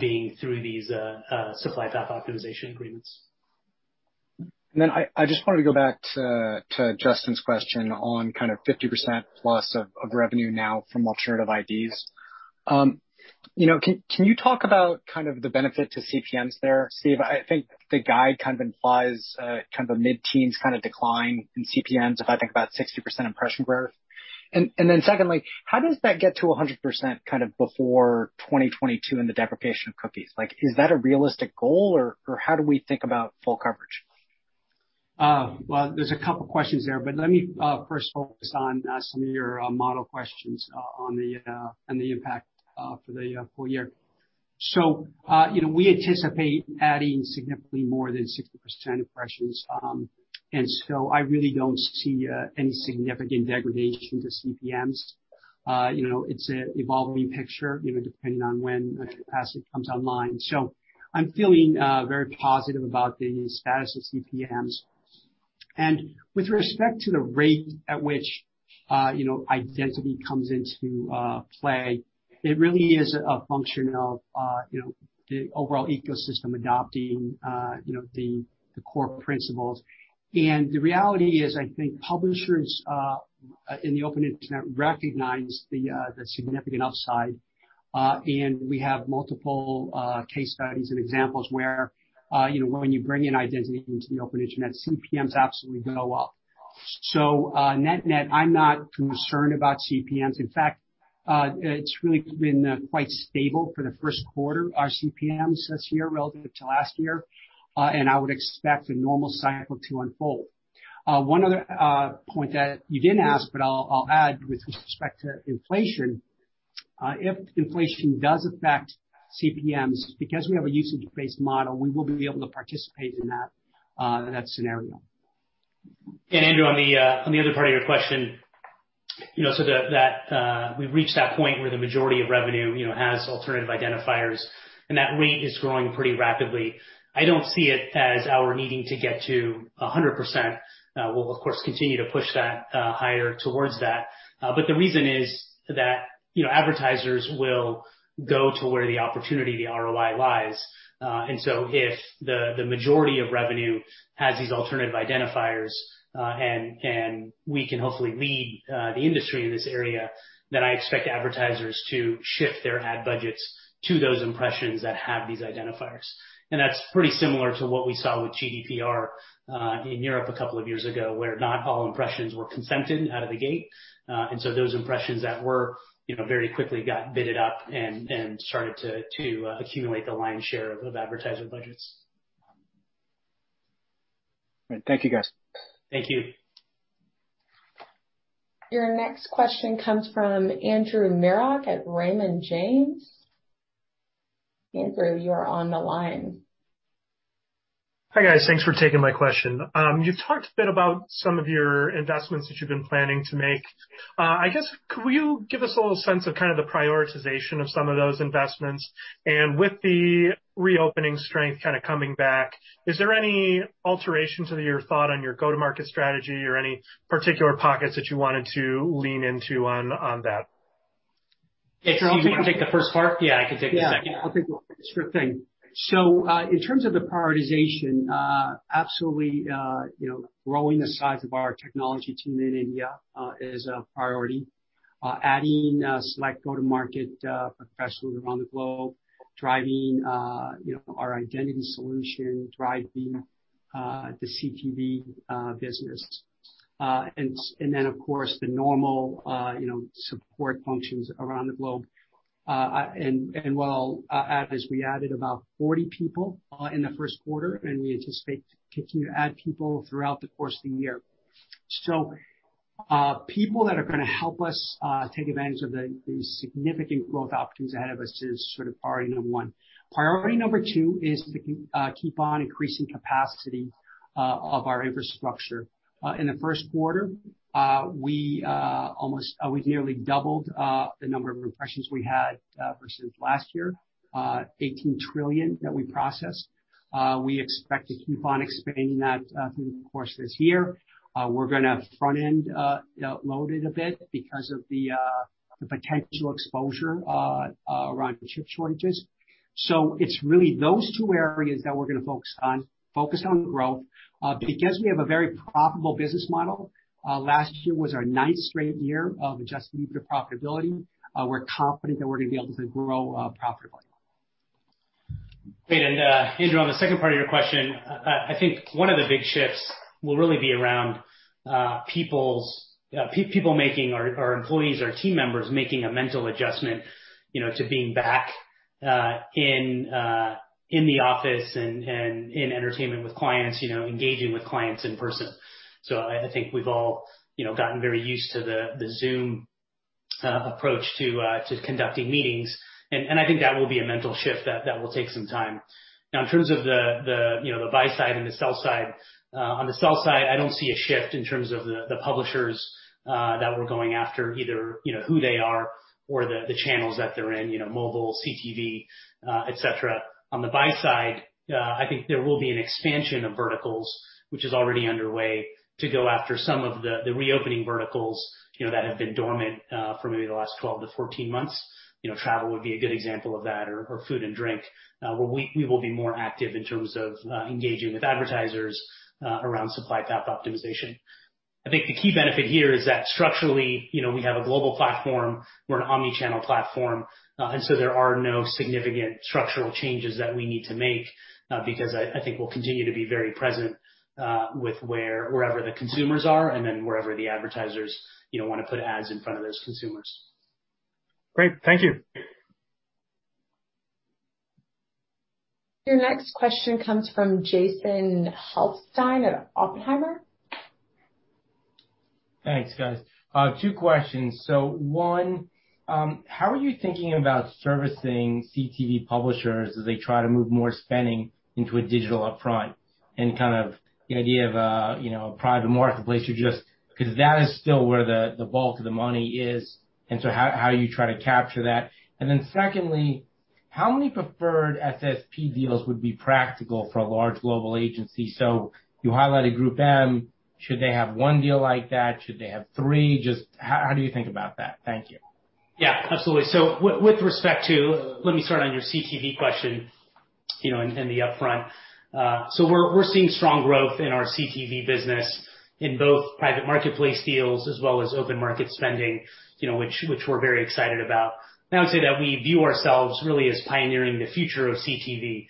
being through these Supply Path Optimization agreements. I just wanted to go back to Justin's question on kind of 50%+ of revenue now from alternative IDs. Can you talk about kind of the benefit to CPMs there, Steve? I think the guide kind of implies kind of a mid-teens kind of decline in CPMs if I think about 60% impression growth. Secondly, how does that get to 100% kind of before 2022 and the deprecation of cookies? Is that a realistic goal, or how do we think about full coverage? Well, there's a couple questions there, but let me first focus on some of your model questions on the impact for the full year. We anticipate adding significantly more than 60% impressions. I really don't see any significant degradation to CPMs. It's an evolving picture, depending on when capacity comes online. I'm feeling very positive about the status of CPMs. With respect to the rate at which identity comes into play, it really is a function of the overall ecosystem adopting the core principles. The reality is, I think publishers in the open internet recognize the significant upside. We have multiple case studies and examples where when you bring in identity into the open internet, CPMs absolutely go up. Net-net, I'm not concerned about CPMs. In fact, it's really been quite stable for the first quarter, our CPMs this year relative to last year. I would expect a normal cycle to unfold. One other point that you didn't ask, but I'll add with respect to inflation, if inflation does affect CPMs, because we have a usage-based model, we will be able to participate in that scenario. Andrew, on the other part of your question, we've reached that point where the majority of revenue has alternative identifiers, and that rate is growing pretty rapidly. I don't see it as our needing to get to 100%. We'll, of course, continue to push that higher towards that. The reason is that advertisers will go to where the opportunity, the ROI lies. If the majority of revenue has these alternative identifiers, and we can hopefully lead the industry in this area, then I expect advertisers to shift their ad budgets to those impressions that have these identifiers. That's pretty similar to what we saw with GDPR in Europe a couple of years ago, where not all impressions were consented out of the gate. Those impressions that were very quickly got bid up and started to accumulate the lion's share of advertiser budgets. All right. Thank you, guys. Thank you. Your next question comes from Andrew Marok at Raymond James. Andrew, you are on the line. Hi, guys. Thanks for taking my question. You've talked a bit about some of your investments that you've been planning to make. I guess, could you give us a little sense of kind of the prioritization of some of those investments? With the reopening strength kind of coming back, is there any alteration to your thought on your go-to-market strategy or any particular pockets that you wanted to lean into on that? Andrew, do you want to take the first part? Yeah, I can take the second. Yeah. I'll take the first thing. In terms of the prioritization, absolutely, growing the size of our technology team in India is a priority. Adding select go-to-market professionals around the globe, driving our identity solution, driving the CTV business, and then, of course, the normal support functions around the globe. What I'll add is we added about 40 people in the first quarter, and we anticipate to continue to add people throughout the course of the year. People that are gonna help us take advantage of the significant growth opportunities ahead of us is sort of priority number one. Priority number two is to keep on increasing capacity of our infrastructure. In the first quarter, we nearly doubled the number of impressions we had versus last year, 18 trillion that we processed. We expect to keep on expanding that through the course of this year. We're gonna front-end load it a bit because of the potential exposure around chip shortages. It's really those two areas that we're gonna focus on. Focus on growth. We have a very profitable business model, last year was our ninth straight year of adjusted EBITDA profitability. We're confident that we're gonna be able to grow profitably. Andrew, on the second part of your question, I think one of the big shifts will really be around our employees, our team members, making a mental adjustment to being back in the office and in entertainment with clients, engaging with clients in person. I think we've all gotten very used to the Zoom approach to conducting meetings. I think that will be a mental shift that will take some time. In terms of the buy side and the sell side, on the sell side, I don't see a shift in terms of the publishers that we're going after, either who they are or the channels that they're in, mobile, CTV, et cetera. On the buy side, I think there will be an expansion of verticals, which is already underway to go after some of the reopening verticals that have been dormant for maybe the last 12-14 months. Travel would be a good example of that or food and drink, where we will be more active in terms of engaging with advertisers around Supply Path Optimization. I think the key benefit here is that structurally, we have a global platform. We're an omni-channel platform. There are no significant structural changes that we need to make because I think we'll continue to be very present wherever the consumers are and then wherever the advertisers want to put ads in front of those consumers. Great. Thank you. Your next question comes from Jason Helfstein at Oppenheimer. Thanks, guys. Two questions. One, how are you thinking about servicing CTV publishers as they try to move more spending into a digital upfront and kind of the idea of a private marketplace? Because that is still where the bulk of the money is, and so how you try to capture that. Secondly, how many preferred SSP deals would be practical for a large global agency? You highlighted GroupM. Should they have one deal like that? Should they have three? Just how do you think about that? Thank you. Yeah, absolutely. With respect to, let me start on your CTV question, and the upfront. We're seeing strong growth in our CTV business in both private marketplace deals as well as open market spending, which we're very excited about. I would say that we view ourselves really as pioneering the future of CTV,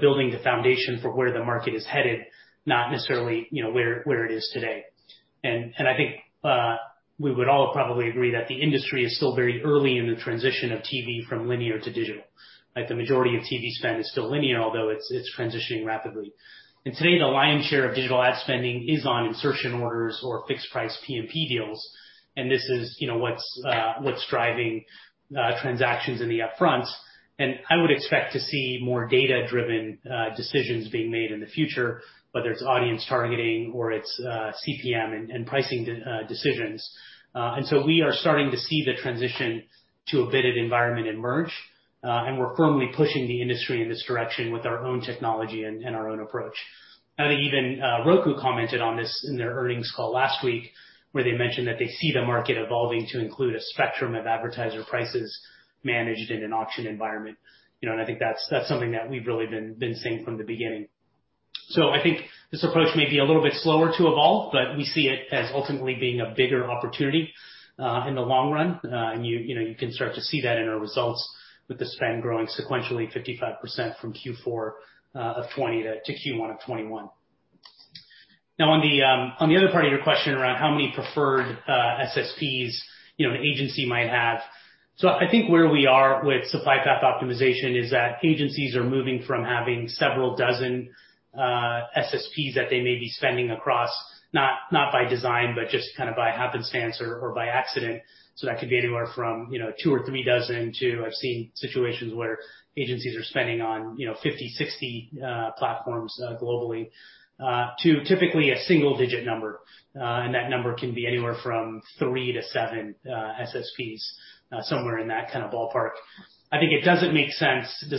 building the foundation for where the market is headed, not necessarily where it is today. I think we would all probably agree that the industry is still very early in the transition of TV from linear to digital. The majority of TV spend is still linear, although it's transitioning rapidly. Today, the lion's share of digital ad spending is on insertion orders or fixed price PMP deals, and this is what's driving transactions in the upfronts. I would expect to see more data-driven decisions being made in the future, whether it's audience targeting or it's CPM and pricing decisions. We are starting to see the transition to a bid environment emerge, and we're firmly pushing the industry in this direction with our own technology and our own approach. I think even Roku commented on this in their earnings call last week, where they mentioned that they see the market evolving to include a spectrum of advertiser prices managed in an auction environment. I think that's something that we've really been saying from the beginning. I think this approach may be a little bit slower to evolve, but we see it as ultimately being a bigger opportunity in the long run. You can start to see that in our results with the spend growing sequentially 55% from Q4 of 2020 to Q1 of 2021. On the other part of your question around how many preferred SSPs an agency might have. I think where we are with Supply Path Optimization is that agencies are moving from having several dozen SSPs that they may be spending across, not by design, but just kind of by happenstance or by accident. That could be anywhere from two or three dozen to, I've seen situations where agencies are spending on 50, 60 platforms globally, to typically a single-digit number. That number can be anywhere from three to seven SSPs, somewhere in that kind of ballpark. I think it does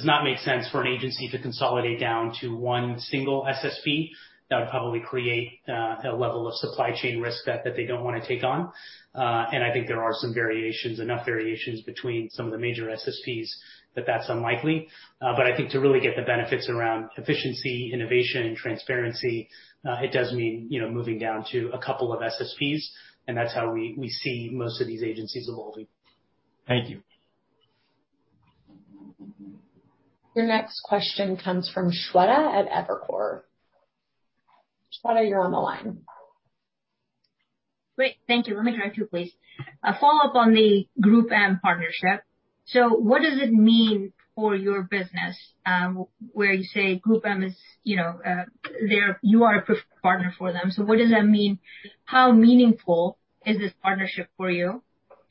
not make sense for an agency to consolidate down to one single SSP. That would probably create a level of supply chain risk that they don't want to take on. I think there are some variations, enough variations between some of the major SSPs that that's unlikely. I think to really get the benefits around efficiency, innovation, and transparency, it does mean moving down to a couple of SSPs, and that's how we see most of these agencies evolving. Thank you. Your next question comes from Shweta at Evercore. Shweta, you're on the line. Great. Thank you. Let me try two, please. A follow-up on the GroupM partnership. What does it mean for your business where you say GroupM, you are a preferred partner for them. What does that mean? How meaningful is this partnership for you?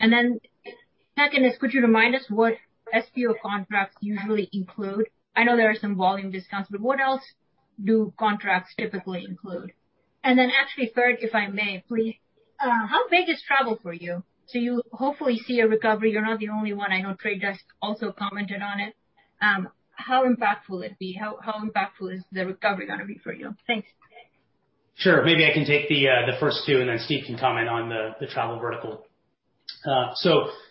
Second is, could you remind us what SPO contracts usually include? I know there are some volume discounts, what else do contracts typically include? Actually third, if I may, please. How big is travel for you? Do you hopefully see a recovery? You're not the only one. I know The Trade Desk also commented on it. How impactful will it be? How impactful is the recovery going to be for you? Thanks. Sure. Maybe I can take the first two, then Steve can comment on the travel vertical.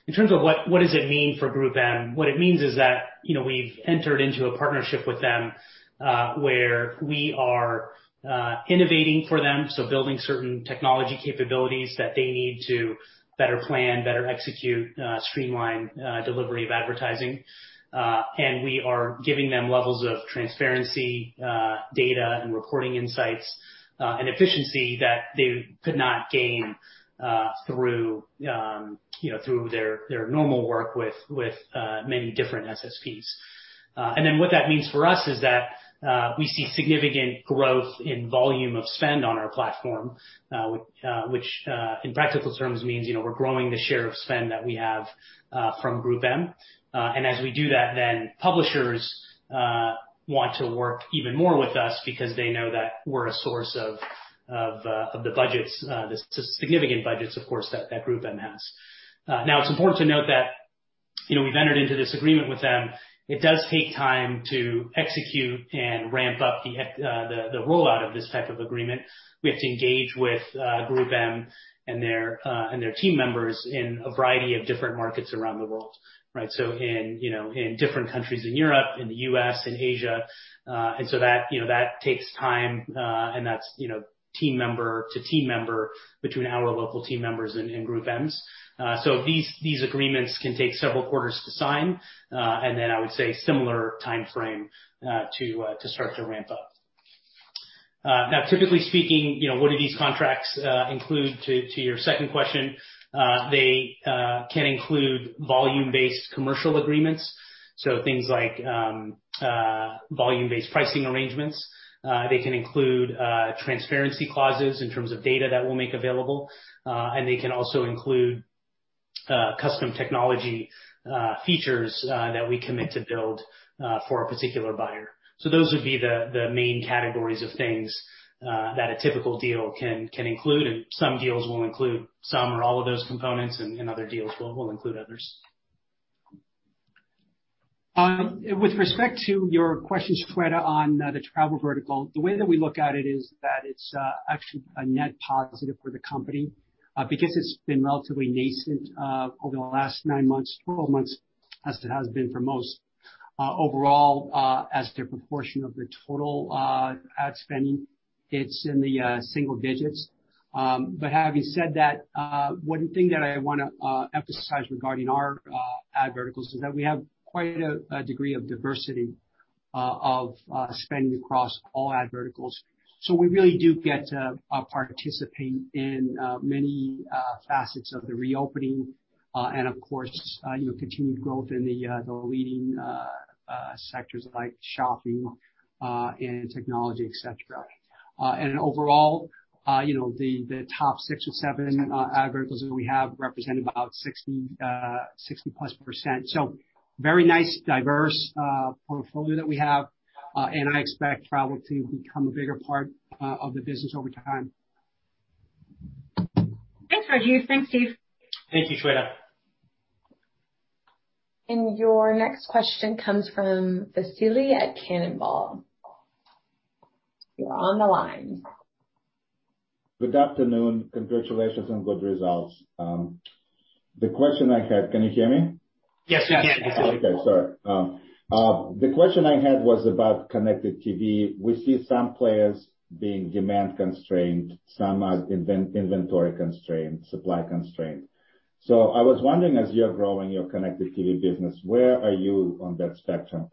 In terms of what does it mean for GroupM? What it means is that we've entered into a partnership with them, where we are innovating for them, building certain technology capabilities that they need to better plan, better execute, streamline delivery of advertising. We are giving them levels of transparency, data and reporting insights, and efficiency that they could not gain through their normal work with many different SSPs. What that means for us is that we see significant growth in volume of spend on our platform, which in practical terms means we're growing the share of spend that we have from GroupM. As we do that, then publishers want to work even more with us because they know that we're a source of the budgets, the significant budgets, of course, that GroupM has. It's important to note that we've entered into this agreement with them. It does take time to execute and ramp up the rollout of this type of agreement. We have to engage with GroupM and their team members in a variety of different markets around the world. In different countries in Europe, in the U.S., in Asia. That takes time, and that's team member to team member between our local team members and GroupM's. These agreements can take several quarters to sign, and then I would say similar timeframe to start to ramp up. Typically speaking, what do these contracts include? To your second question. They can include volume-based commercial agreements, so things like volume-based pricing arrangements. They can include transparency clauses in terms of data that we'll make available. They can also include custom technology features that we commit to build for a particular buyer. Those would be the main categories of things that a typical deal can include, and some deals will include some or all of those components, and other deals will include others. With respect to your question, Shweta, on the travel vertical, the way that we look at it is that it's actually a net positive for the company because it's been relatively nascent over the last nine months, 12 months, as it has been for most. Overall, as the proportion of the total ad spending, it's in the single digits. Having said that, one thing that I want to emphasize regarding our ad verticals is that we have quite a degree of diversity of spending across all ad verticals. We really do get to participate in many facets of the reopening and of course, continued growth in the leading sectors like shopping and technology, et cetera. Overall, the top six or seven ad verticals that we have represent about 60%+. Very nice, diverse portfolio that we have. I expect travel to become a bigger part of the business over time. Thanks, Rajeev. Thanks, Steve. Thank you, Shweta. Your next question comes from Vasily at Cannonball. You're on the line. Good afternoon. Congratulations on good results. Can you hear me? Yes, we can, Vasily. Okay. Sorry. The question I had was about connected TV. We see some players being demand-constrained, some are inventory-constrained, supply-constrained. I was wondering, as you are growing your connected TV business, where are you on that spectrum?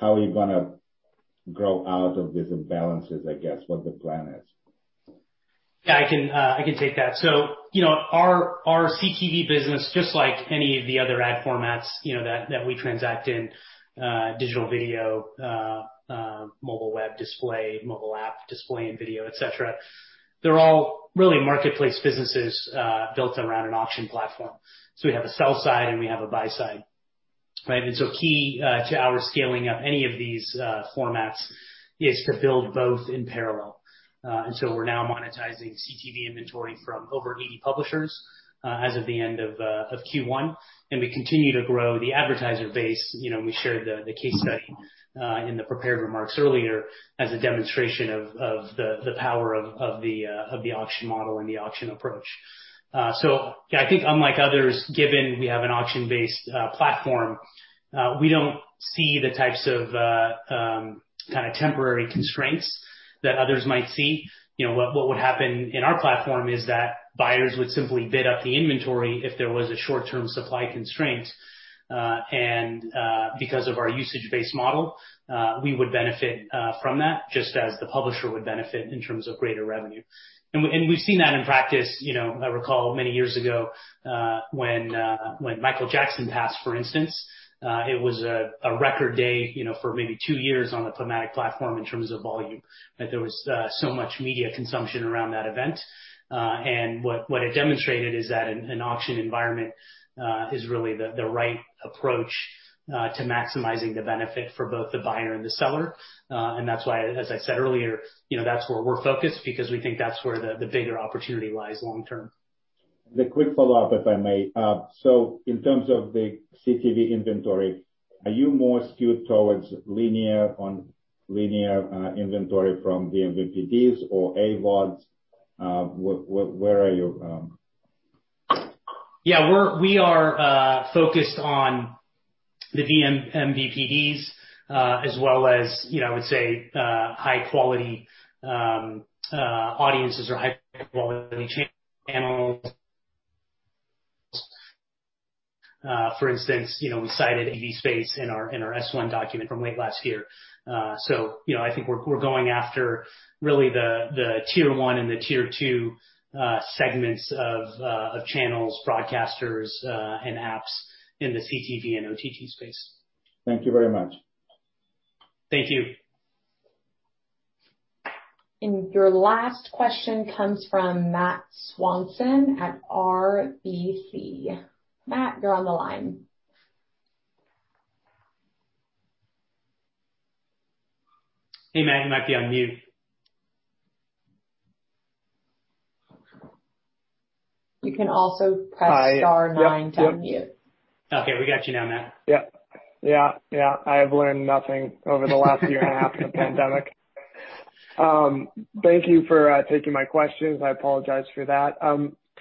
How are you going to grow out of these imbalances, I guess, what the plan is? Yeah, I can take that. Our CTV business, just like any of the other ad formats that we transact in, digital video, mobile web display, mobile app display and video, et cetera, they're all really marketplace businesses built around an auction platform. We have a sell side, and we have a buy side, right? Key to our scaling of any of these formats is to build both in parallel. We are now monetizing CTV inventory from over 80 publishers as of the end of Q1, and we continue to grow the advertiser base. We shared the case study in the prepared remarks earlier as a demonstration of the power of the auction model and the auction approach. Yeah, I think unlike others, given we have an auction-based platform, we don't see the types of temporary constraints that others might see. What would happen in our platform is that buyers would simply bid up the inventory if there was a short-term supply constraint. Because of our usage-based model, we would benefit from that just as the publisher would benefit in terms of greater revenue. We've seen that in practice. I recall many years ago, when Michael Jackson passed, for instance, it was a record day for maybe two years on the PubMatic platform in terms of volume. There was so much media consumption around that event. What it demonstrated is that an auction environment is really the right approach to maximizing the benefit for both the buyer and the seller. That's why, as I said earlier, that's where we're focused because we think that's where the bigger opportunity lies long term. The quick follow-up, if I may. In terms of the CTV inventory, are you more skewed towards linear on linear inventory from the MVPDs or AVODs? Where are you? Yeah. We are focused on the MVPDs as well as, I would say, high-quality audiences or high-quality channels. For instance, we cited TV Space in our S-1 document from late last year. I think we're going after really the Tier 1 and the Tier 2 segments of channels, broadcasters, and apps in the CTV and OTT space. Thank you very much. Thank you. Your last question comes from Matt Swanson at RBC. Matt, you're on the line. Hey, Matt. You might be on mute. You can also press star nine to unmute. Okay. We got you now, Matt. Yeah. I have learned nothing over the last year and a half in the pandemic. Thank you for taking my questions. I apologize for that.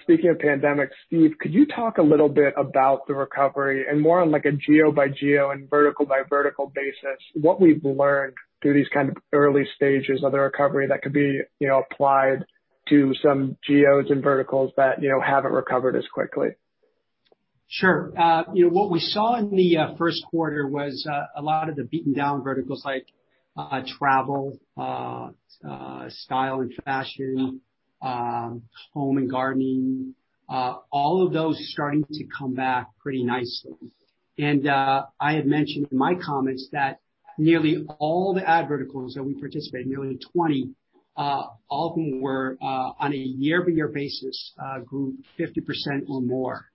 Speaking of pandemic, Steve, could you talk a little bit about the recovery and more on, like, a geo-by-geo and vertical-by-vertical basis, what we've learned through these kind of early stages of the recovery that could be applied to some geos and verticals that haven't recovered as quickly? Sure. What we saw in the first quarter was a lot of the beaten-down verticals like travel, style and fashion, home and gardening, all of those starting to come back pretty nicely. I had mentioned in my comments that nearly all the ad verticals that we participate, nearly 20, all of them were on a year-over-year basis, grew 50% or more.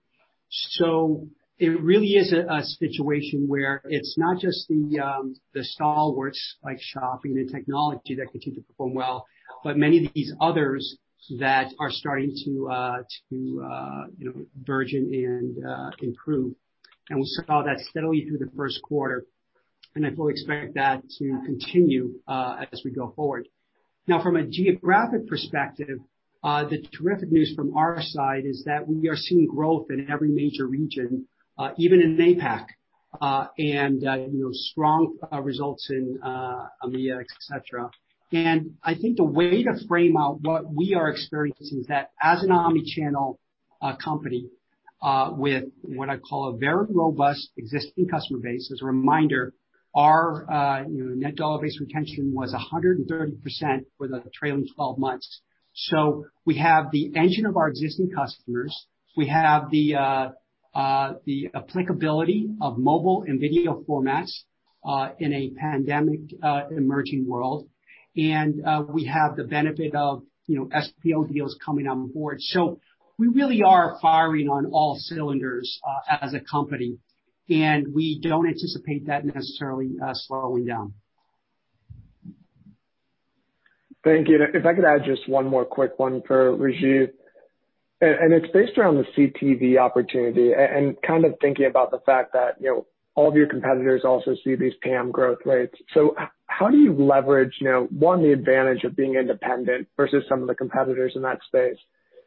It really is a situation where it's not just the stalwarts like shopping and technology that continue to perform well, but many of these others that are starting to burgeon and improve. We saw that steadily through the first quarter. I fully expect that to continue as we go forward. Now, from a geographic perspective, the terrific news from our side is that we are seeing growth in every major region, even in APAC, and strong results in EMEA, et cetera. I think the way to frame out what we are experiencing is that as an omnichannel company with what I call a very robust existing customer base. As a reminder, our net dollar-based retention was 130% for the trailing 12 months. We have the engine of our existing customers, we have the applicability of mobile and video formats in a pandemic emerging world, and we have the benefit of SPO deals coming on board. We really are firing on all cylinders as a company, and we don't anticipate that necessarily slowing down. Thank you. If I could add just one more quick one for Rajeev, it's based around the CTV opportunity and kind of thinking about the fact that all of your competitors also see these TAM growth rates. How do you leverage, one, the advantage of being independent versus some of the competitors in that space?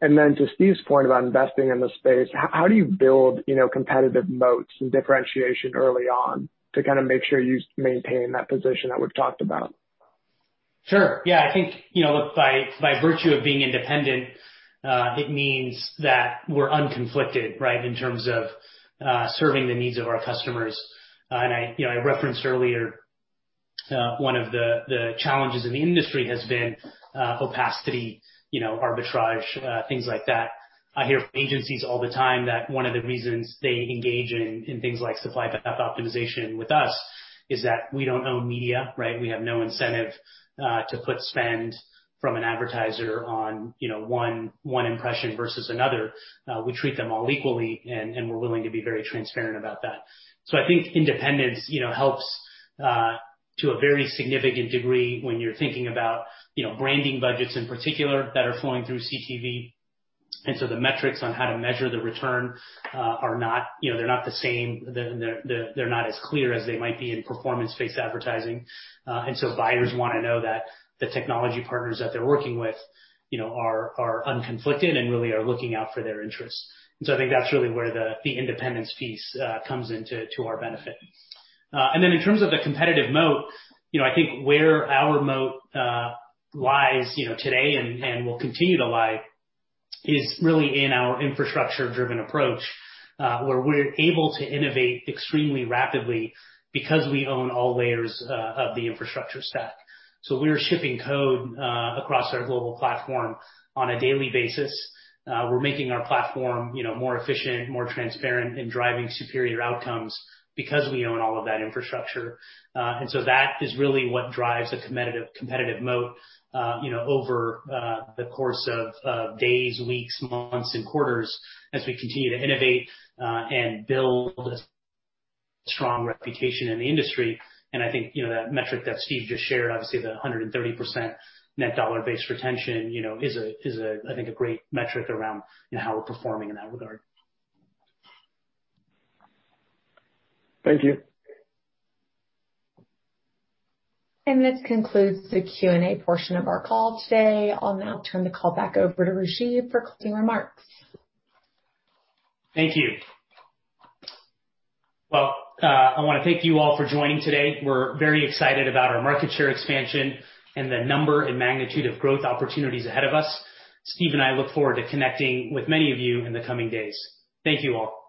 To Steve's point about investing in the space, how do you build competitive moats and differentiation early on to kind of make sure you maintain that position that we've talked about? Sure. Yeah. I think by virtue of being independent, it means that we're unconflicted, right? In terms of serving the needs of our customers. I referenced earlier one of the challenges in the industry has been opacity, arbitrage, things like that. I hear from agencies all the time that one of the reasons they engage in things like Supply Path Optimization with us is that we don't own media, right? We have no incentive to put spend from an advertiser on one impression versus another. We treat them all equally, and we're willing to be very transparent about that. I think independence helps to a very significant degree when you're thinking about branding budgets in particular that are flowing through CTV. The metrics on how to measure the return they're not the same. They're not as clear as they might be in performance-based advertising. Buyers want to know that the technology partners that they're working with are unconflicted and really are looking out for their interests. I think that's really where the independence piece comes into our benefit. In terms of the competitive moat, I think where our moat lies today and will continue to lie is really in our infrastructure-driven approach, where we're able to innovate extremely rapidly because we own all layers of the infrastructure stack. We are shipping code across our global platform on a daily basis. We're making our platform more efficient, more transparent in driving superior outcomes because we own all of that infrastructure. That is really what drives a competitive moat over the course of days, weeks, months, and quarters as we continue to innovate and build a strong reputation in the industry. I think that metric that Steve just shared, obviously the 130% net dollar-based retention, is I think a great metric around how we're performing in that regard. Thank you. This concludes the Q&A portion of our call today. I'll now turn the call back over to Rajeev for closing remarks. Thank you. Well, I want to thank you all for joining today. We're very excited about our market share expansion and the number and magnitude of growth opportunities ahead of us. Steve and I look forward to connecting with many of you in the coming days. Thank you all.